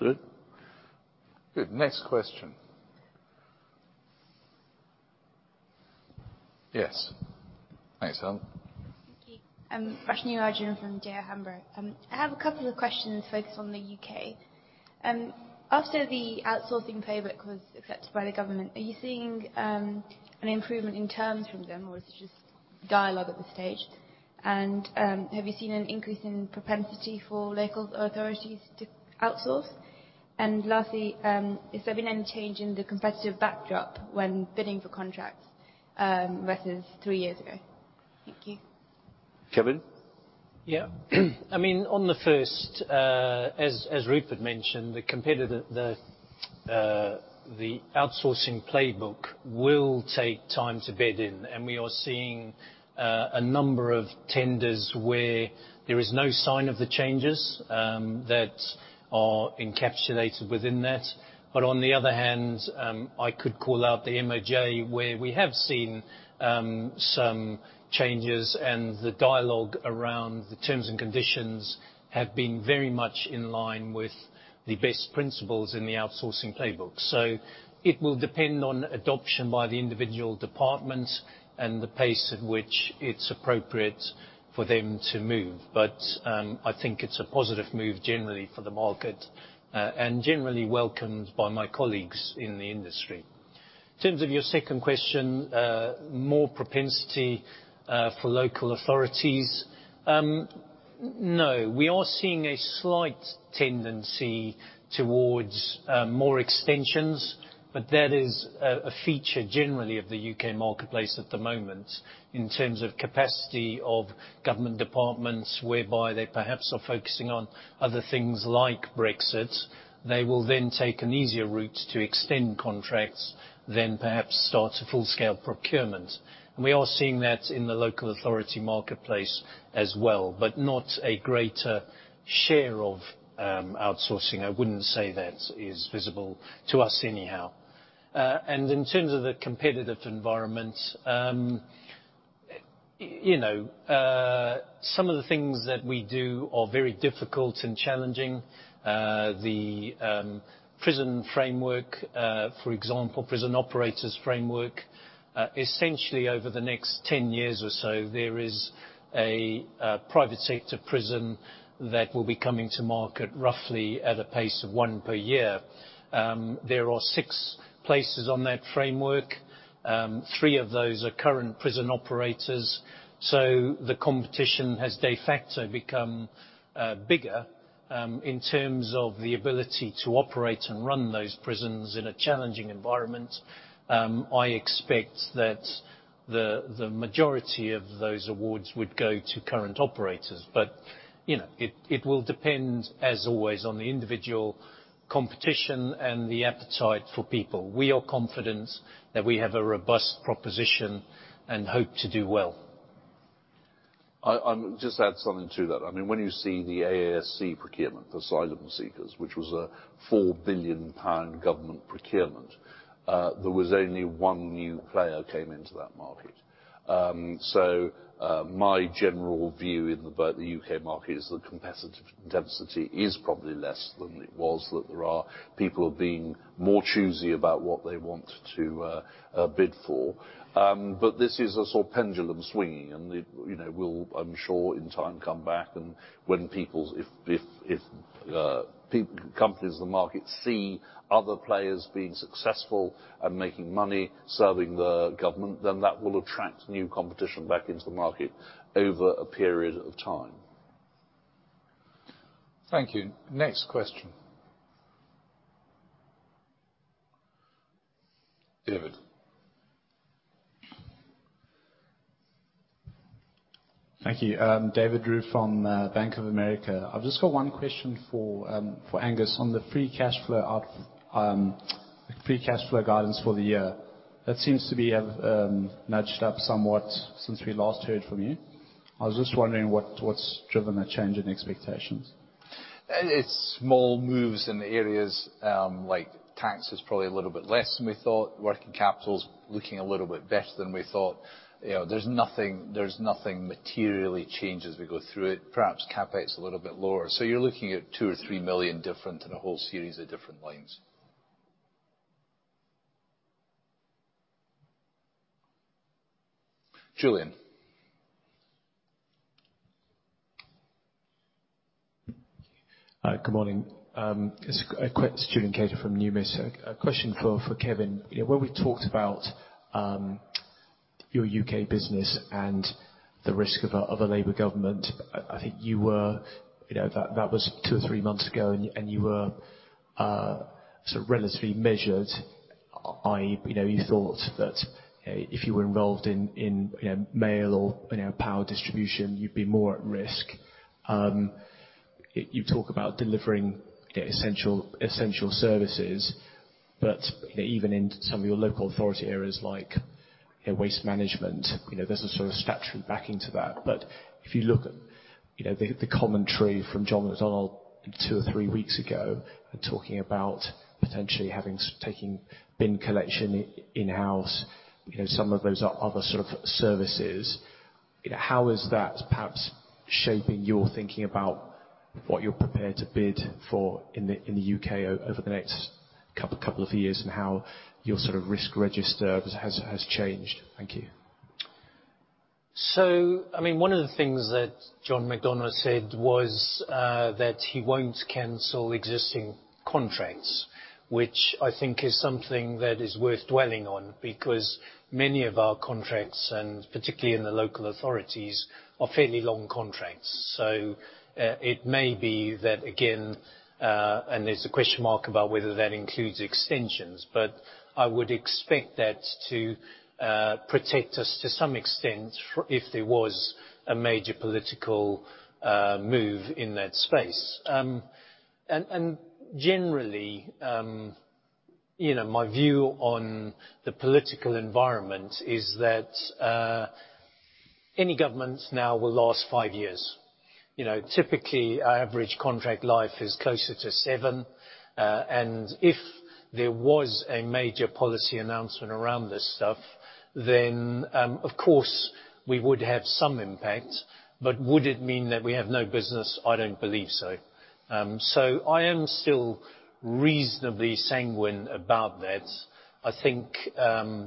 do? Good. Next question. Yes. Thanks, Alan. Thank you. I'm [Fresh New Origin] from Berenberg. I have a couple of questions focused on the U.K. After the outsourcing playbook was accepted by the government, are you seeing an improvement in terms from them, or is it just dialogue at this stage? Have you seen an increase in propensity for local authorities to outsource? Lastly, has there been any change in the competitive backdrop when bidding for contracts versus three years ago? Thank you. Kevin? On the first, as Rupert mentioned, the outsourcing playbook will take time to bed in, and we are seeing a number of tenders where there is no sign of the changes that are encapsulated within that. On the other hand, I could call out the MoJ where we have seen some changes, and the dialogue around the terms and conditions have been very much in line with the best principles in the outsourcing playbook. It will depend on adoption by the individual departments and the pace at which it's appropriate for them to move. I think it's a positive move generally for the market, and generally welcomed by my colleagues in the industry. In terms of your second question, more propensity for local authorities. No. We are seeing a slight tendency towards more extensions, but that is a feature generally of the U.K. marketplace at the moment in terms of capacity of government departments, whereby they perhaps are focusing on other things like Brexit. They will then take an easier route to extend contracts than perhaps start a full-scale procurement. We are seeing that in the local authority marketplace as well, but not a greater share of outsourcing. I wouldn't say that is visible to us anyhow. In terms of the competitive environment, some of the things that we do are very difficult and challenging. The prison framework, for example, prison operators framework. Essentially over the next 10 years or so, there is a private sector prison that will be coming to market roughly at a pace of 1 per year. There are 6 places on that framework. Three of those are current prison operators, so the competition has de facto become bigger. In terms of the ability to operate and run those prisons in a challenging environment, I expect that the majority of those awards would go to current operators. It will depend, as always, on the individual competition and the appetite for people. We are confident that we have a robust proposition and hope to do well. I would just add something to that. When you see the AASC procurement for Asylum Seekers, which was a 4 billion pound government procurement, there was only one new player came into that market. My general view about the U.K. market is the competitive density is probably less than it was, that there are people are being more choosy about what they want to bid for. This is a sort of pendulum swing, and it will, I'm sure, in time come back and if companies in the market see other players being successful and making money serving the government, then that will attract new competition back into the market over a period of time. Thank you. Next question. David. Thank you. David Roux from Bank of America. I've just got one question for Angus on the free cash flow guidance for the year. That seems to be nudged up somewhat since we last heard from you. I was just wondering what's driven the change in expectations? It's small moves in the areas, like tax is probably a little bit less than we thought. Working capital's looking a little bit better than we thought. There's nothing materially changed as we go through it. Perhaps CapEx a little bit lower. You're looking at two or three million different in a whole series of different lines. Julian. Hi. Good morning. It's Julian Cater from Numis. A question for Kevin. When we talked about your U.K. business and the risk of a Labour government, I think that was two or three months ago, and you were sort of relatively measured, i.e., you thought that if you were involved in mail or power distribution, you'd be more at risk. You talk about delivering essential services. Even in some of your local authority areas like waste management, there's a sort of statutory backing to that. If you look at the commentary from John McDonnell two or three weeks ago, talking about potentially taking bin collection in-house, some of those other sort of services, how is that perhaps shaping your thinking about what you're prepared to bid for in the U.K. over the next couple of years, and how your sort of risk register has changed? Thank you. One of the things that John McDonnell said was that he won't cancel existing contracts, which I think is something that is worth dwelling on because many of our contracts, and particularly in the local authorities, are fairly long contracts. It may be that, again, and there's a question mark about whether that includes extensions. I would expect that to protect us to some extent if there was a major political move in that space. Generally, my view on the political environment is that any government now will last five years. Typically, our average contract life is closer to seven. If there was a major policy announcement around this stuff, then, of course, we would have some impact. Would it mean that we have no business? I don't believe so. I am still reasonably sanguine about that. I think,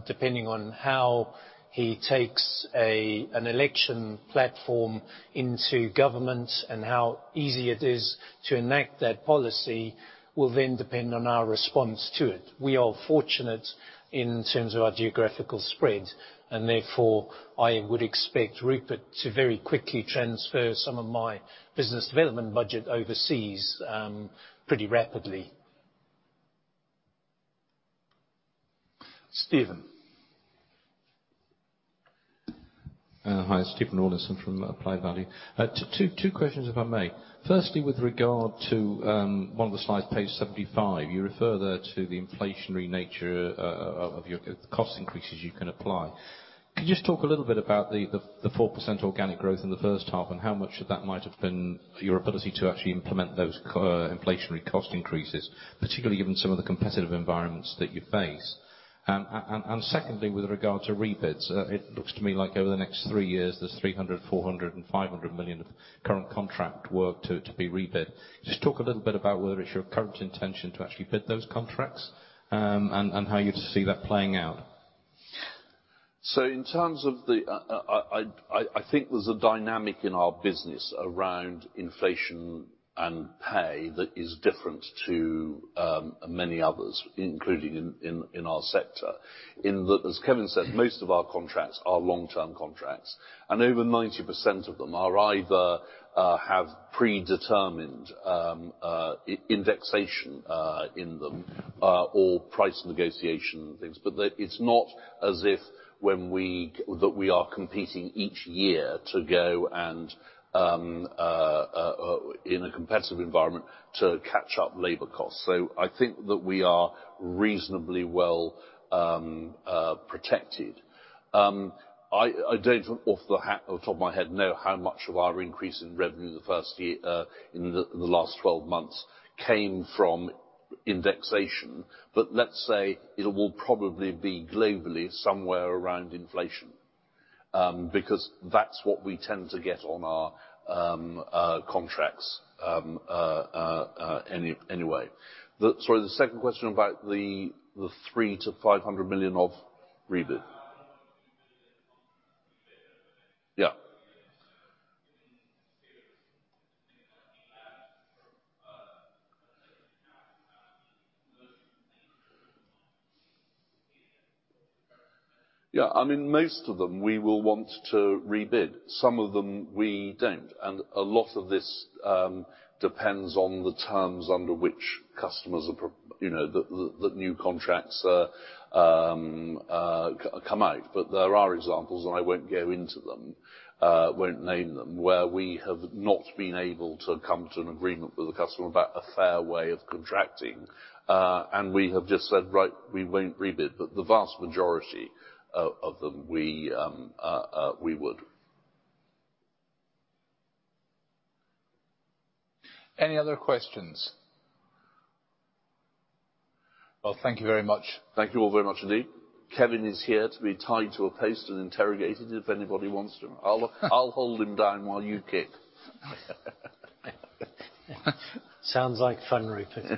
depending on how he takes an election platform into government and how easy it is to enact that policy, will then depend on our response to it. We are fortunate in terms of our geographical spread, and therefore, I would expect Rupert to very quickly transfer some of my business development budget overseas pretty rapidly. Stephen. Hi. Stephen Alderson from Applied Value. Two questions, if I may. Firstly, with regard to one of the slides, page 75, you refer there to the inflationary nature of your cost increases you can apply. Can you just talk a little bit about the 4% organic growth in the first half, and how much of that might have been your ability to actually implement those inflationary cost increases, particularly given some of the competitive environments that you face? Secondly, with regard to rebids, it looks to me like over the next three years, there's 300 million, 400 million, and 500 million of current contract work to be rebid. Just talk a little bit about whether it's your current intention to actually bid those contracts, and how you see that playing out. In terms of the I think there's a dynamic in our business around inflation and pay that is different to many others, including in our sector, in that, as Kevin said, most of our contracts are long-term contracts. Over 90% of them either have predetermined indexation in them or price negotiation and things. It's not as if that we are competing each year to go and, in a competitive environment, to catch up labor costs. I think that we are reasonably well protected. I don't off the top of my head know how much of our increase in revenue in the last 12 months came from indexation. Let's say it will probably be globally somewhere around inflation because that's what we tend to get on our contracts anyway. Sorry, the second question about the 300 million-500 million of rebid? Yeah. Yeah. Most of them we will want to rebid. Some of them we don't. A lot of this depends on the terms under which the new contracts come out. There are examples, and I won't go into them, won't name them, where we have not been able to come to an agreement with the customer about a fair way of contracting. We have just said, "Right, we won't rebid." The vast majority of them, we would. Any other questions? Well, thank you very much. Thank you all very much indeed. Kevin is here to be tied to a post and interrogated if anybody wants to. I will hold him down while you kick. Sounds like fun, Rupert.